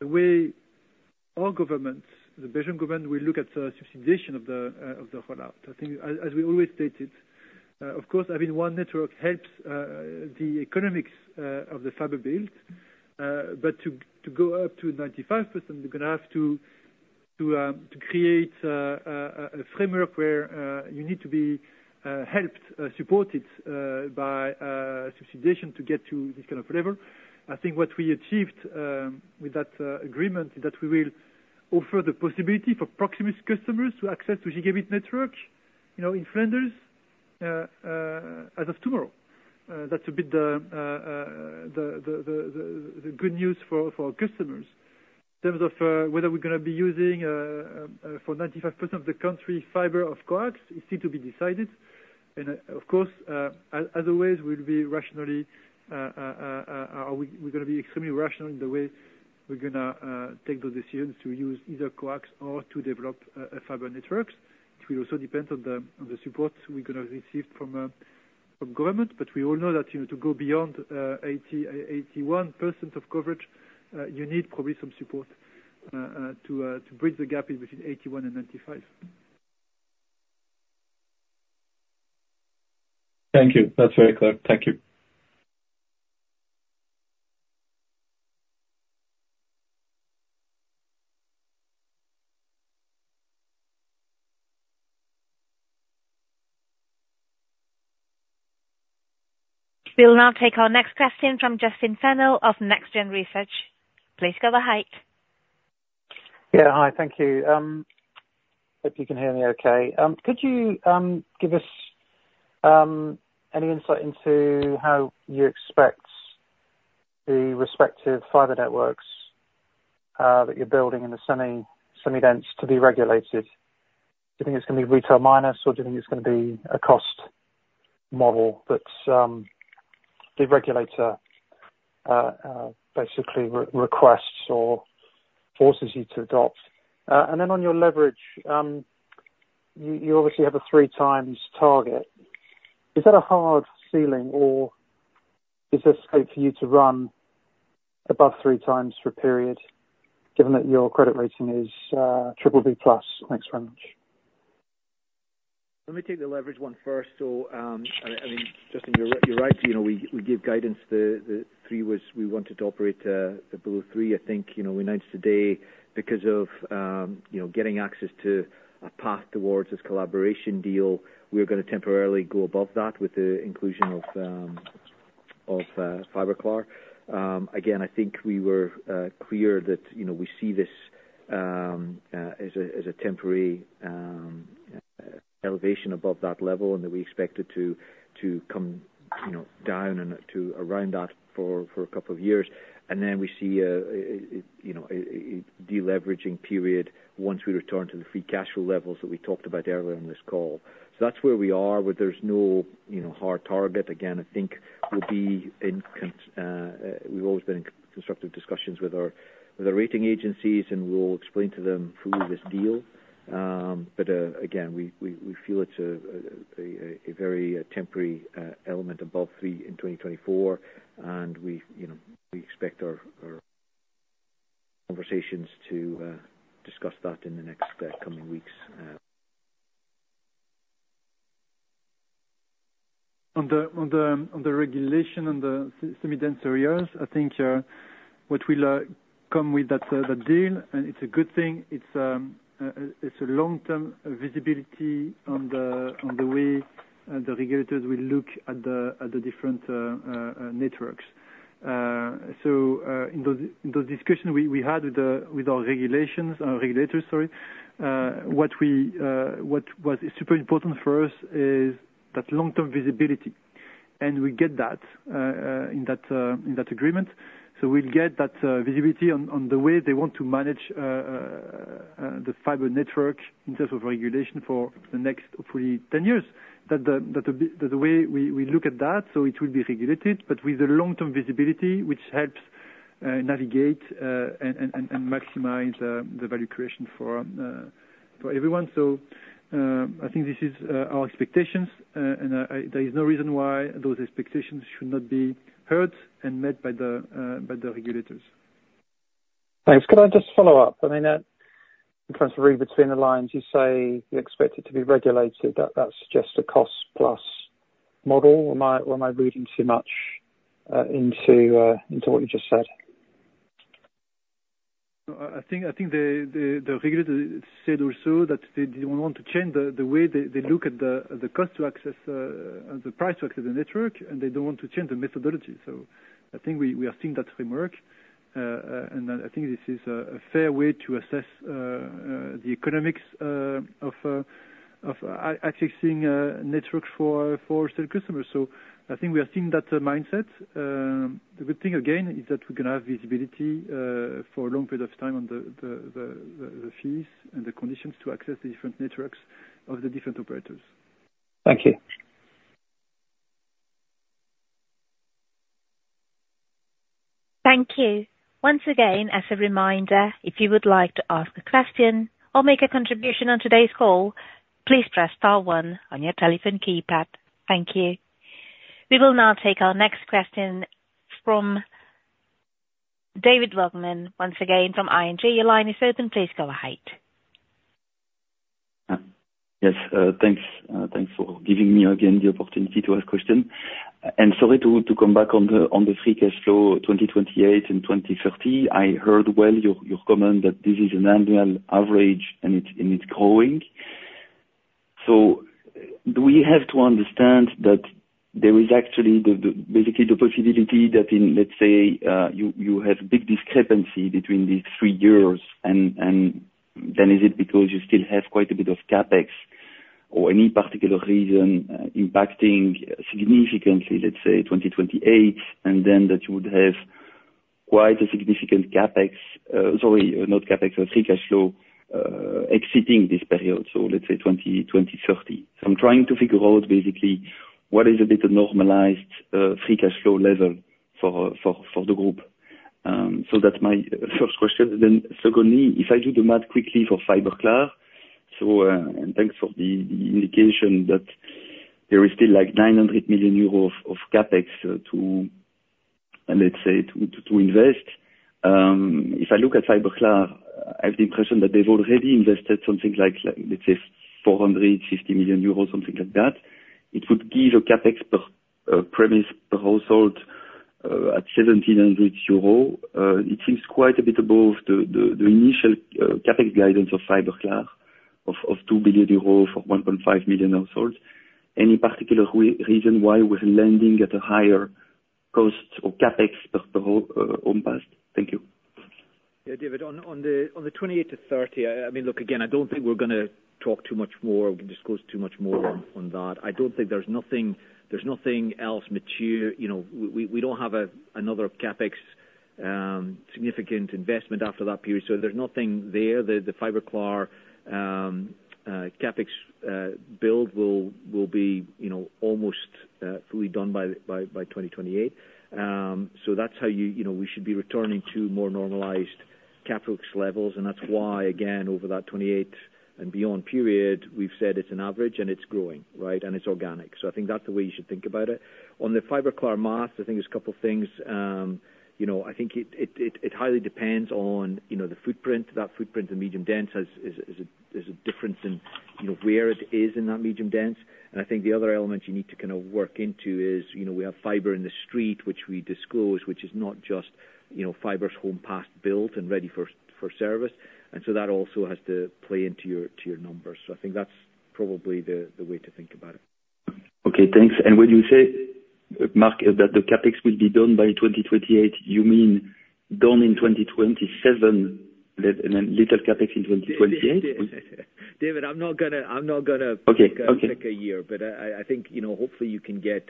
the way our government, the Belgian government, will look at the subsidization of the rollout. I think as we always stated, of course, having one network helps the economics of the fiber build. But to go up to 95%, we're gonna have to create a framework where you need to be helped, supported, by subsidization to get to this kind of level. I think what we achieved with that agreement is that we will offer the possibility for Proximus customers to access gigabit network, you know, in Flanders, as of tomorrow. That's a bit the good news for our customers. In terms of whether we're gonna be using for 95% of the country, fiber or coax, it's yet to be decided. Of course, as always, we'll be rationally, we're gonna be extremely rational in the way we're gonna take those decisions to use either coax or to develop fiber networks. It will also depend on the support we're gonna receive from government. But we all know that, you know, to go beyond 81% of coverage, you need probably some support to bridge the gap in between 81 and 95. Thank you. That's very clear. Thank you. We'll now take our next question from Justin Funnell of New Street Research. Please go ahead. Yeah. Hi, thank you. Hope you can hear me okay. Could you give us any insight into how you expect the respective fiber networks that you're building in the semi-dense to be regulated? Do you think it's gonna be retail minus, or do you think it's gonna be a cost model that the regulator basically requests or forces you to adopt? And then on your leverage, you obviously have a 3x target. Is that a hard ceiling, or is this okay for you to run above 3x for a period, given that your credit rating is BBB+? Thanks very much. Let me take the leverage one first. So, I mean, Justin, you're right. You know, we gave guidance the three was we wanted to operate below three. I think, you know, we announced today because of, you know, getting access to a path towards this collaboration deal, we're gonna temporarily go above that with the inclusion of Fiberklaar. Again, I think we were clear that, you know, we see this as a temporary elevation above that level, and that we expect it to come, you know, down to around that for a couple of years. And then we see, you know, a deleveraging period once we return to the free cash flow levels that we talked about earlier on this call. So that's where we are, but there's no, you know, hard target. Again, I think we've always been in constructive discussions with our, with the rating agencies, and we'll explain to them through this deal. But again, we feel it's a very temporary element above 3 in 2024, and we, you know, we expect our conversations to discuss that in the next coming weeks. On the regulation, on the semi-dense areas, I think what will come with that deal, and it's a good thing, it's a long-term visibility on the way the regulators will look at the different networks. So, in those discussions we had with our regulators, sorry, what was super important for us is that long-term visibility. We get that in that agreement. So we'll get that visibility on the way they want to manage the fiber network in terms of regulation for the next hopefully 10 years. The way we look at that, so it will be regulated, but with the long-term visibility, which helps navigate and maximize the value creation for everyone. So, I think this is our expectations and there is no reason why those expectations should not be heard and met by the regulators. Thanks. Could I just follow up? I mean, if I try to read between the lines, you say you expect it to be regulated, that, that's just a cost plus model, or am I, am I reading too much into what you just said? No, I think the regulator said also that they didn't want to change the way they look at the cost to access the price to access the network, and they don't want to change the methodology. So I think we are seeing that framework. And I think this is a fair way to assess the economics of accessing network for certain customers. So I think we are seeing that mindset. The good thing again is that we're gonna have visibility for a long period of time on the fees and the conditions to access the different networks of the different operators. Thank you. Thank you. Once again, as a reminder, if you would like to ask a question or make a contribution on today's call, please press star one on your telephone keypad. Thank you. We will now take our next question from David Vagman, once again from ING. Your line is open. Please go ahead. Yes, thanks. Thanks for giving me again the opportunity to ask question. Sorry to come back on the free cash flow, 2028 and 2030. I heard well your comment that this is an annual average, and it's growing. So do we have to understand that there is actually basically the possibility that in, let's say, you have big discrepancy between these three years? And then is it because you still have quite a bit of CapEx or any particular reason impacting significantly, let's say, 2028, and then that you would have quite a significant CapEx, sorry, not CapEx, free cash flow exceeding this period, so let's say 2028 and 2030. So I'm trying to figure out, basically, what is a bit of normalized free cash flow level for the group? So that's my first question. Then secondly, if I do the math quickly for Fiberklaar, so, and thanks for the indication that there is still, like, 900 million euros of CapEx to, let's say, to invest. If I look at Fiberklaar, I have the impression that they've already invested something like, like, let's say 450 million euros, something like that. It would give a CapEx per premise, per household at 1,700 euro. It seems quite a bit above the initial CapEx guidance of Fiberklaar of 2 billion euros for 1.5 million households. Any particular reason why we're landing at a higher cost or CapEx per the whole, home passed? Thank you. Yeah, David, on the 28-30, I mean, look, again, I don't think we're gonna talk too much more, disclose too much more on that. I don't think there's nothing, there's nothing else mature. You know, we don't have another CapEx significant investment after that period, so there's nothing there. The Fiberklaar CapEx build will be, you know, almost fully done by 2028. So that's how you know we should be returning to more normalized CapEx levels. And that's why, again, over that 2028 and beyond period, we've said it's an average, and it's growing, right? And it's organic. So I think that's the way you should think about it. On the Fiberklaar math, I think there's a couple things. You know, I think it highly depends on, you know, the footprint. That footprint in medium dense has a difference in, you know, where it is in that medium dense. And I think the other element you need to kind of work into is, you know, we have fiber in the street, which we disclose, which is not just, you know, fiber homes passed, built, and ready for service. And so that also has to play into your, to your numbers. So I think that's probably the way to think about it. Okay, thanks. And when you say, Mark, that the CapEx will be done by 2028, you mean done in 2027 and then little CapEx in 2028? David, I'm not gonna, I'm not gonna- Okay. Okay. Pick a year, but I think, you know, hopefully you can get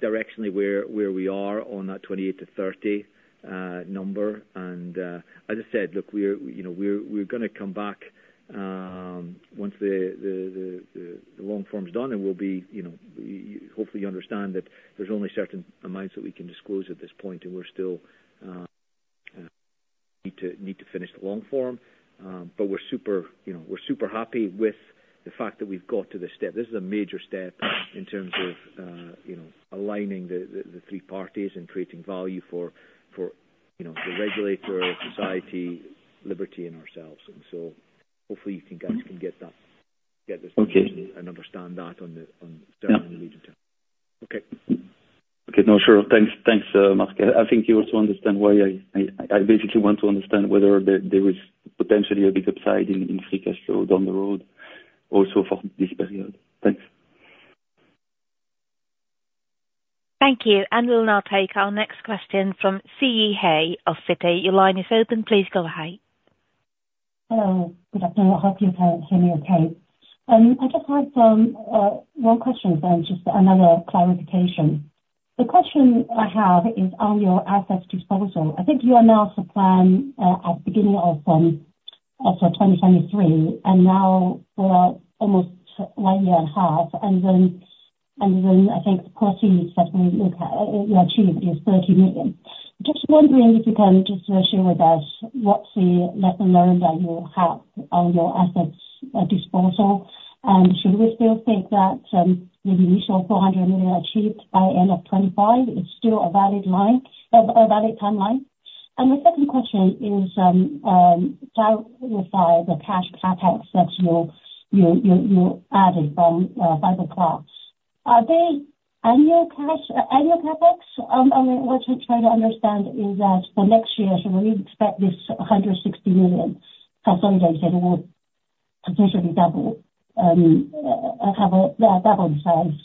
directionally where we are on that 28-30 number. And as I said, look, we're, you know, we're gonna come back once the long form's done, and we'll be, you know... Hopefully you understand that there's only certain amounts that we can disclose at this point, and we're still need to finish the long form. But we're super, you know, we're super happy with the fact that we've got to this step. This is a major step in terms of, you know, aligning the three parties and creating value for, you know, the regulator, society, Liberty, and ourselves. And so hopefully you guys can get that- Okay... and understand that on the Yeah. Okay. Okay, no, sure. Thanks. Thanks, Mark. I think you also understand why I basically want to understand whether there is potentially a big upside in Free Cash Flow down the road, also for this period. Thanks. Thank you. And we'll now take our next question from Siyang Li of Citi. Your line is open. Please go ahead. Hello, good afternoon. I hope you can hear me okay. I just had one question, then just another clarification. The question I have is on your asset disposal. I think you announced the plan at beginning of 2023, and now we are almost one year and a half, and I think the proceeding that we look at you achieved is 30 million. Just wondering if you can just share with us what's the net amount that you have on your assets disposal? And should we still think that the initial 400 million achieved by end of 2025 is still a valid line a valid timeline? And the second question is, so with the cash CapEx that you added from Fiberklaar, are they annual cash, annual CapEx? I mean, what we're trying to understand is that for next year, so we expect this 160 million consolidated will potentially double, have a, double the size,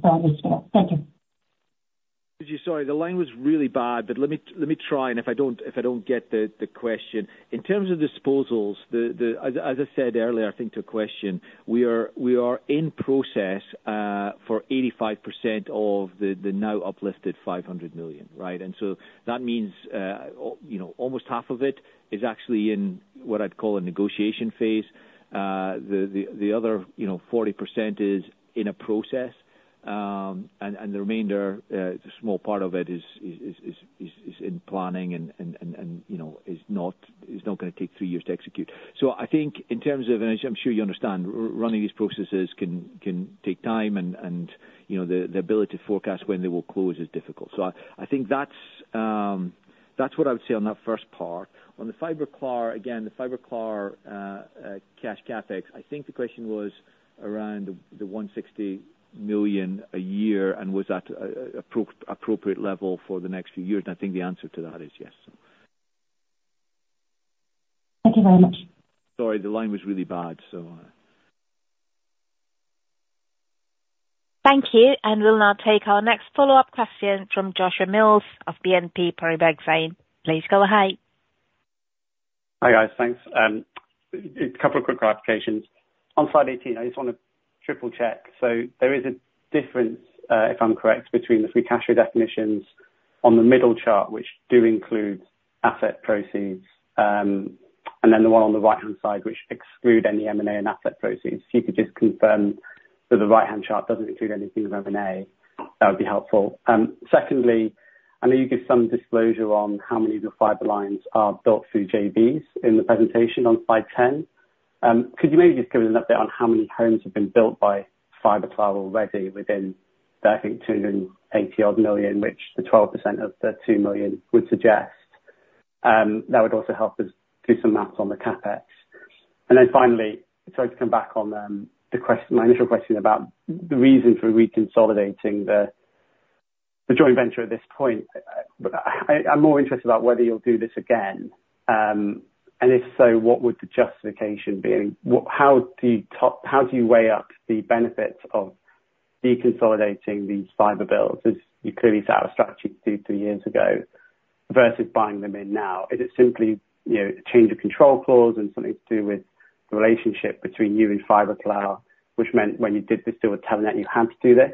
from this year. Thank you. Sorry, the line was really bad, but let me try, and if I don't get the question. In terms of disposals, as I said earlier, I think to a question, we are in process for 85% of the now uplifted 500 million, right? And so that means, you know, almost half of it is actually in what I'd call a negotiation phase. The other, you know, 40% is in a process. And the remainder, a small part of it is in planning and, you know, is not gonna take three years to execute. So I think in terms of, and I'm sure you understand, running these processes can take time and, you know, the ability to forecast when they will close is difficult. So I think that's what I would say on that first part. On the Fiberklaar, again, the Fiberklaar, cash CapEx, I think the question was around the 160 million a year, and was that appropriate level for the next few years? And I think the answer to that is yes. Thank you very much. Sorry, the line was really bad, so... Thank you. We'll now take our next follow-up question from Joshua Mills of BNP Paribas. Please go ahead. Hi, guys. Thanks. A couple of quick clarifications. On slide 18, I just want to triple-check. So there is a difference, if I'm correct, between the free cash flow definitions on the middle chart, which do include asset proceeds, and then the one on the right-hand side, which exclude any M&A and asset proceeds. If you could just confirm that the right-hand chart doesn't include anything of M&A, that would be helpful. Secondly, I know you give some disclosure on how many of your fiber lines are built through JVs in the presentation on slide 10. Could you maybe just give an update on how many homes have been built by Fiberklaar already within, I think, 280-odd million, which the 12% of the 2 million would suggest? That would also help us do some math on the CapEx. And then finally, sorry to come back on, my initial question about the reason for reconsolidating the, the joint venture at this point. But I'm more interested about whether you'll do this again. And if so, what would the justification be? How do you weigh up the benefits of deconsolidating these fiber builds, as you clearly set out a strategy two, three years ago, versus buying them in now? Is it simply, you know, a change of control clause and something to do with the relationship between you and Fiberklaar, which meant when you did this deal with Telenet, you had to do this?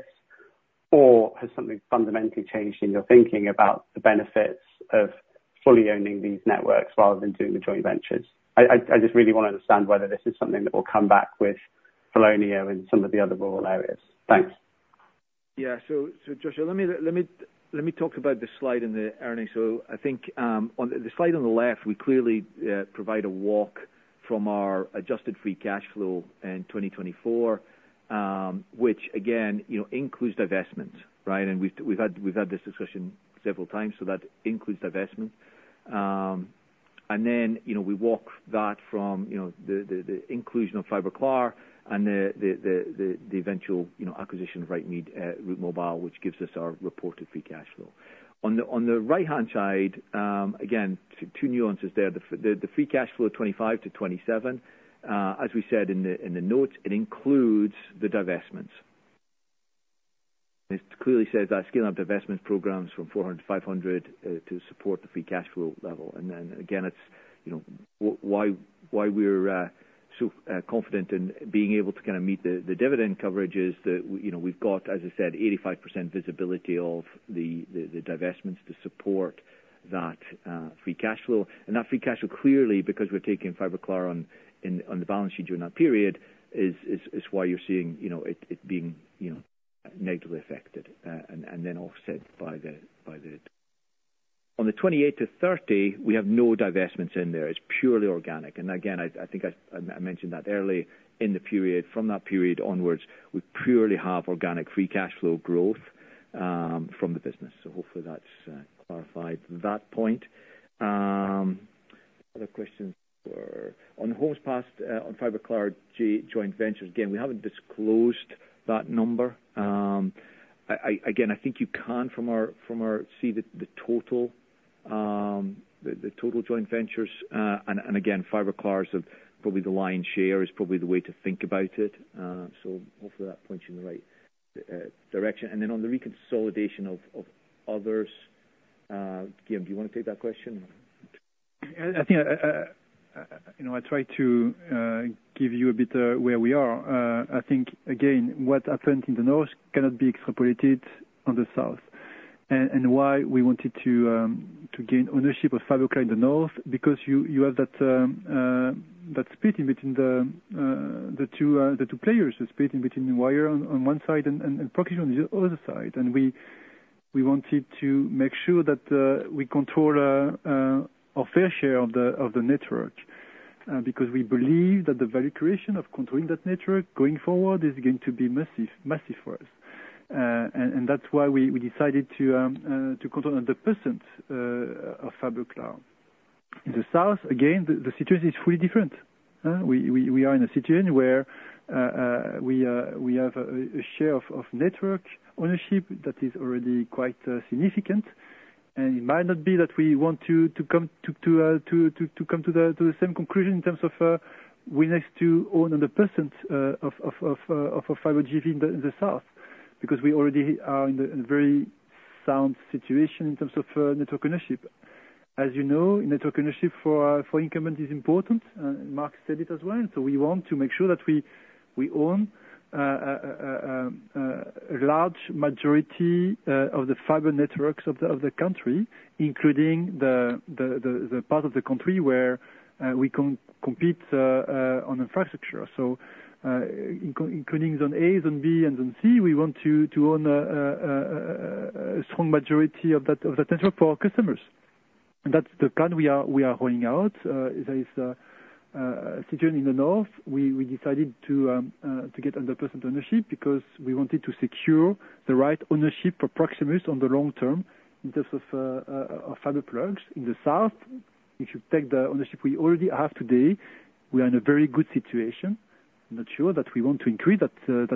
Or has something fundamentally changed in your thinking about the benefits of fully owning these networks rather than doing the joint ventures? I just really want to understand whether this is something that will come back with Wallonia and some of the other rural areas. Thanks. Yeah. Joshua, let me talk about the slide in the R&A. I think, on the slide on the left, we clearly provide a walk from our adjusted free cash flow in 2024, which again, you know, includes divestments, right? We've had this discussion several times, so that includes divestments. You know, we walk that from the inclusion of Fiberklaar and the eventual acquisition of Route Mobile, which gives us our reported free cash flow. On the right-hand side, again, two nuances there. The free cash flow of 2025-2027, as we said in the notes, includes the divestments. It clearly says that scale of divestment programs from 400-500 to support the free cash flow level. And then again, it's, you know, why we're so confident in being able to kind of meet the dividend coverage is that, you know, we've got, as I said, 85% visibility of the divestments to support that free cash flow. And that free cash flow, clearly, because we're taking Fiberklaar on the balance sheet during that period, is why you're seeing, you know, it being, you know, negatively affected, and then offset by the, by the... On the 28-30, we have no divestments in there. It's purely organic. Again, I think I mentioned that early in the period, from that period onwards, we purely have organic free cash flow growth from the business. So hopefully that's clarified that point. Other questions were on homes passed on Fiberklaar joint ventures. Again, we haven't disclosed that number. I think you can from our see the total joint ventures and again Fiberklaar have probably the lion's share is probably the way to think about it. So hopefully that points you in the right direction. And then on the reconsolidation of others, Guillaume, do you wanna take that question? I, I think, you know, I try to give you a bit where we are. I think, again, what happened in the North cannot be extrapolated on the South. And why we wanted to gain ownership of Fiberklaar in the North, because you have that split in between the two players. The split in between the Wyre on one side and Proximus on the other side. And we wanted to make sure that we control a fair share of the network, because we believe that the value creation of controlling that network going forward is going to be massive, massive for us. And that's why we decided to control 100% of Fiberklaar. In the South, again, the situation is fully different. We are in a situation where we have a share of network ownership that is already quite significant, and it might not be that we want to come to the same conclusion in terms of we next to own 100% of Fiber JV in the South, because we already are in a very sound situation in terms of network ownership. As you know, network ownership for incumbent is important, and Mark said it as well. So we want to make sure that we own a large majority of the fiber networks of the country, including the part of the country where we compete on infrastructure. So, including zone A, zone B, and zone C, we want to own a strong majority of that, of the network for our customers. And that's the plan we are rolling out. There is a situation in the North. We decided to get 100% ownership because we wanted to secure the right ownership for Proximus on the long term in terms of fiber plugs. In the South, if you take the ownership we already have today, we are in a very good situation. I'm not sure that we want to increase that or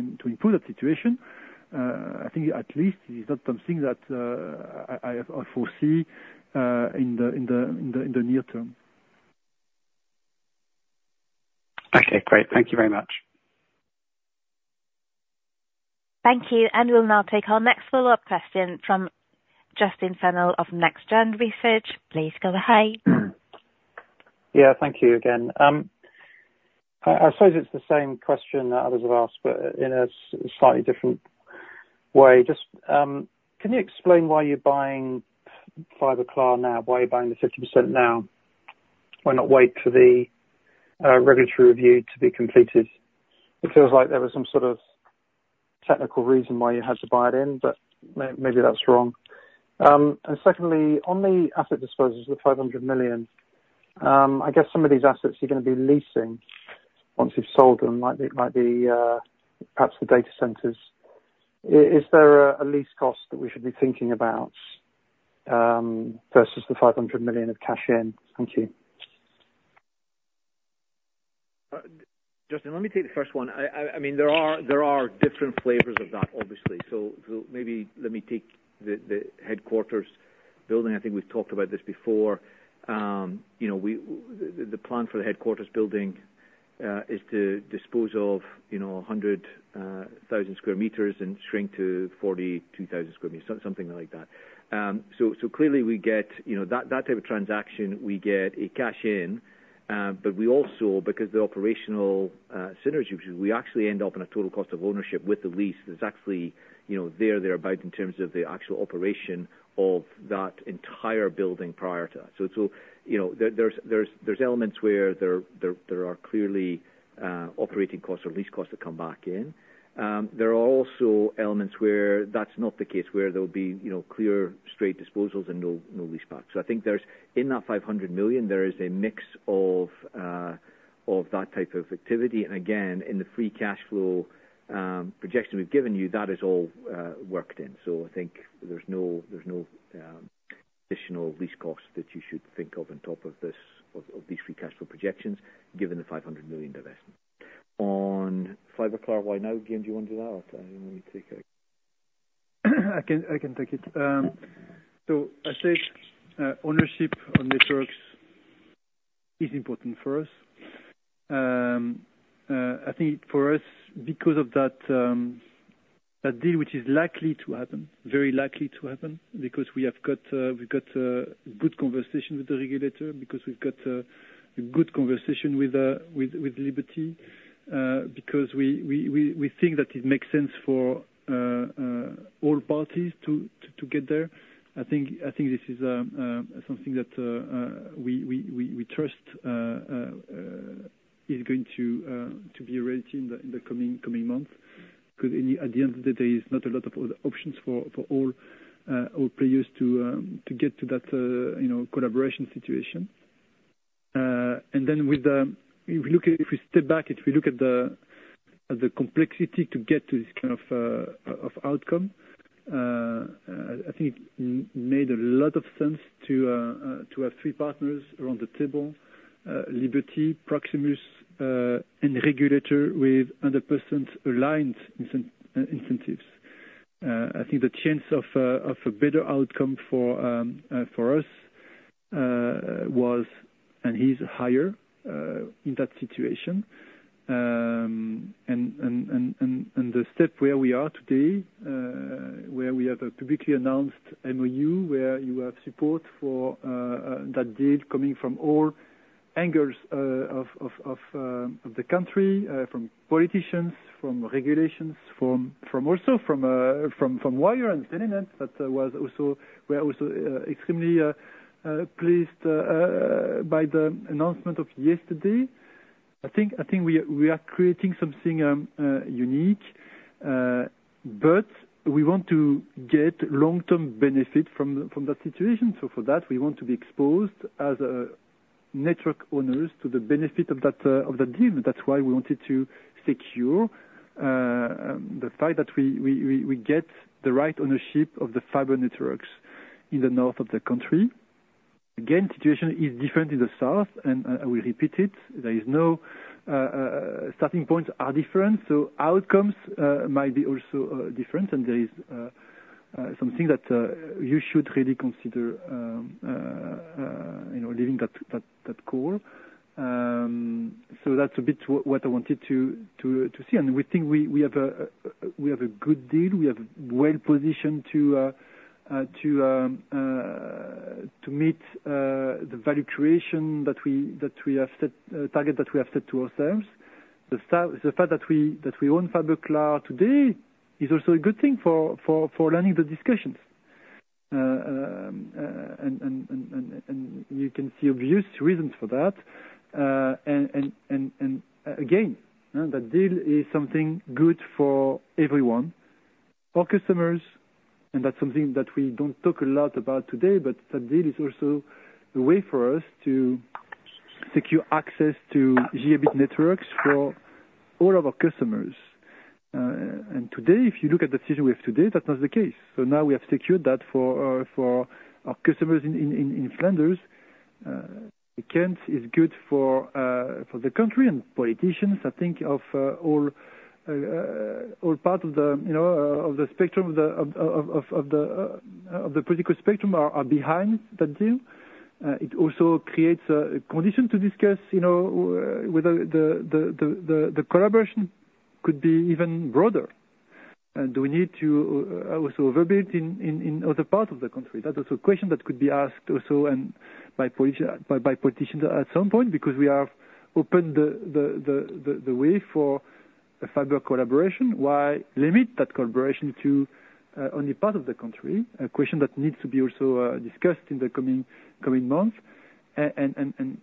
to improve that situation. I think at least it's not something that I foresee in the near term. Okay, great. Thank you very much. Thank you, and we'll now take our next follow-up question from Justin Funnell of New Street Research. Please go ahead. Yeah, thank you again. I suppose it's the same question that others have asked, but in a slightly different way. Just, can you explain why you're buying Fiberklaar now? Why you're buying the 50% now? Why not wait for the, regulatory review to be completed? It feels like there was some sort of technical reason why you had to buy it in, but maybe that's wrong. And secondly, on the asset disposals, the 500 million, I guess some of these assets you're gonna be leasing once you've sold them, might be, might be, perhaps the data centers. Is there a, a lease cost that we should be thinking about, versus the 500 million of cash in? Thank you. Justin, let me take the first one. I mean, there are different flavors of that, obviously. So maybe let me take the headquarters building. I think we've talked about this before. You know, the plan for the headquarters building is to dispose of 100,000 square meters and shrink to 42,000 square meters, so something like that. So clearly we get that type of transaction, we get a cash in, but we also, because the operational synergy, we actually end up in a total cost of ownership with the lease. It's actually thereabout in terms of the actual operation of that entire building prior to us. So, you know, there's elements where there are clearly operating costs or lease costs that come back in. There are also elements where that's not the case, where there will be, you know, clear, straight disposals and no leaseback. So I think there's, in that 500 million, there is a mix of that type of activity. And again, in the free cash flow projection we've given you, that is all worked in. So I think there's no additional lease costs that you should think of on top of these free cash flow projections, given the 500 million investment. On Fiberklaar, why now? Guillaume, do you want to do that, or you want me to take it? I can take it. So I said, ownership on networks is important for us. I think for us, because of that, that deal, which is likely to happen, very likely to happen, because we have got, we've got, good conversation with the regulator, because we've got, a good conversation with Liberty, because we think that it makes sense for all parties to get there. I think this is something that we trust is going to be arranged in the coming months. Because, at the end of the day, there is not a lot of other options for all players to get to that, you know, collaboration situation. And then with the... If you look, if you step back, if you look at the complexity to get to this kind of outcome, I think it made a lot of sense to have three partners around the table, Liberty, Proximus, and regulator with 100% aligned incentives. I think the chance of a better outcome for us was and is higher in that situation. And the step where we are today, where we have a publicly announced MOU, where you have support for that deal coming from all angles of the country, from politicians, from regulators, from also from Wyre and Telenet, that was also. We are also extremely pleased by the announcement of yesterday. I think we are creating something unique. But we want to get long-term benefit from that situation. So for that, we want to be exposed as network owners to the benefit of that deal. That's why we wanted to secure the fact that we get the right ownership of the fiber networks in the north of the country. Again, situation is different in the south, and I will repeat it. Starting points are different, so outcomes might be also different, and there is something that you should really consider, you know, leaving that call. So that's a bit what I wanted to say, and we think we have a good deal. We are well positioned to meet the value creation target that we have set to ourselves. The fact that we own Fiberklaar today is also a good thing for leading the discussions. And you can see obvious reasons for that. And again, that deal is something good for everyone, for customers, and that's something that we don't talk a lot about today, but that deal is also a way for us to secure access to gigabit networks for all of our customers. And today, if you look at the situation today, that's not the case. So now we have secured that for our customers in Flanders. It is good for the country and politicians, I think all part of the, you know, of the spectrum of the political spectrum are behind that deal. It also creates a condition to discuss, you know, whether the collaboration could be even broader. And do we need to also overbuild in other parts of the country? That's also a question that could be asked also and by politicians at some point, because we have opened the way for a fiber collaboration. Why limit that collaboration to only part of the country? A question that needs to be also discussed in the coming months. And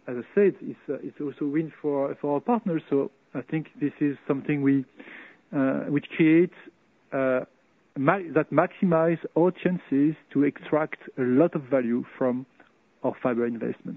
as I said, it's also a win for our partners, so I think this is something we which creates that maximize our chances to extract a lot of value from our fiber investments.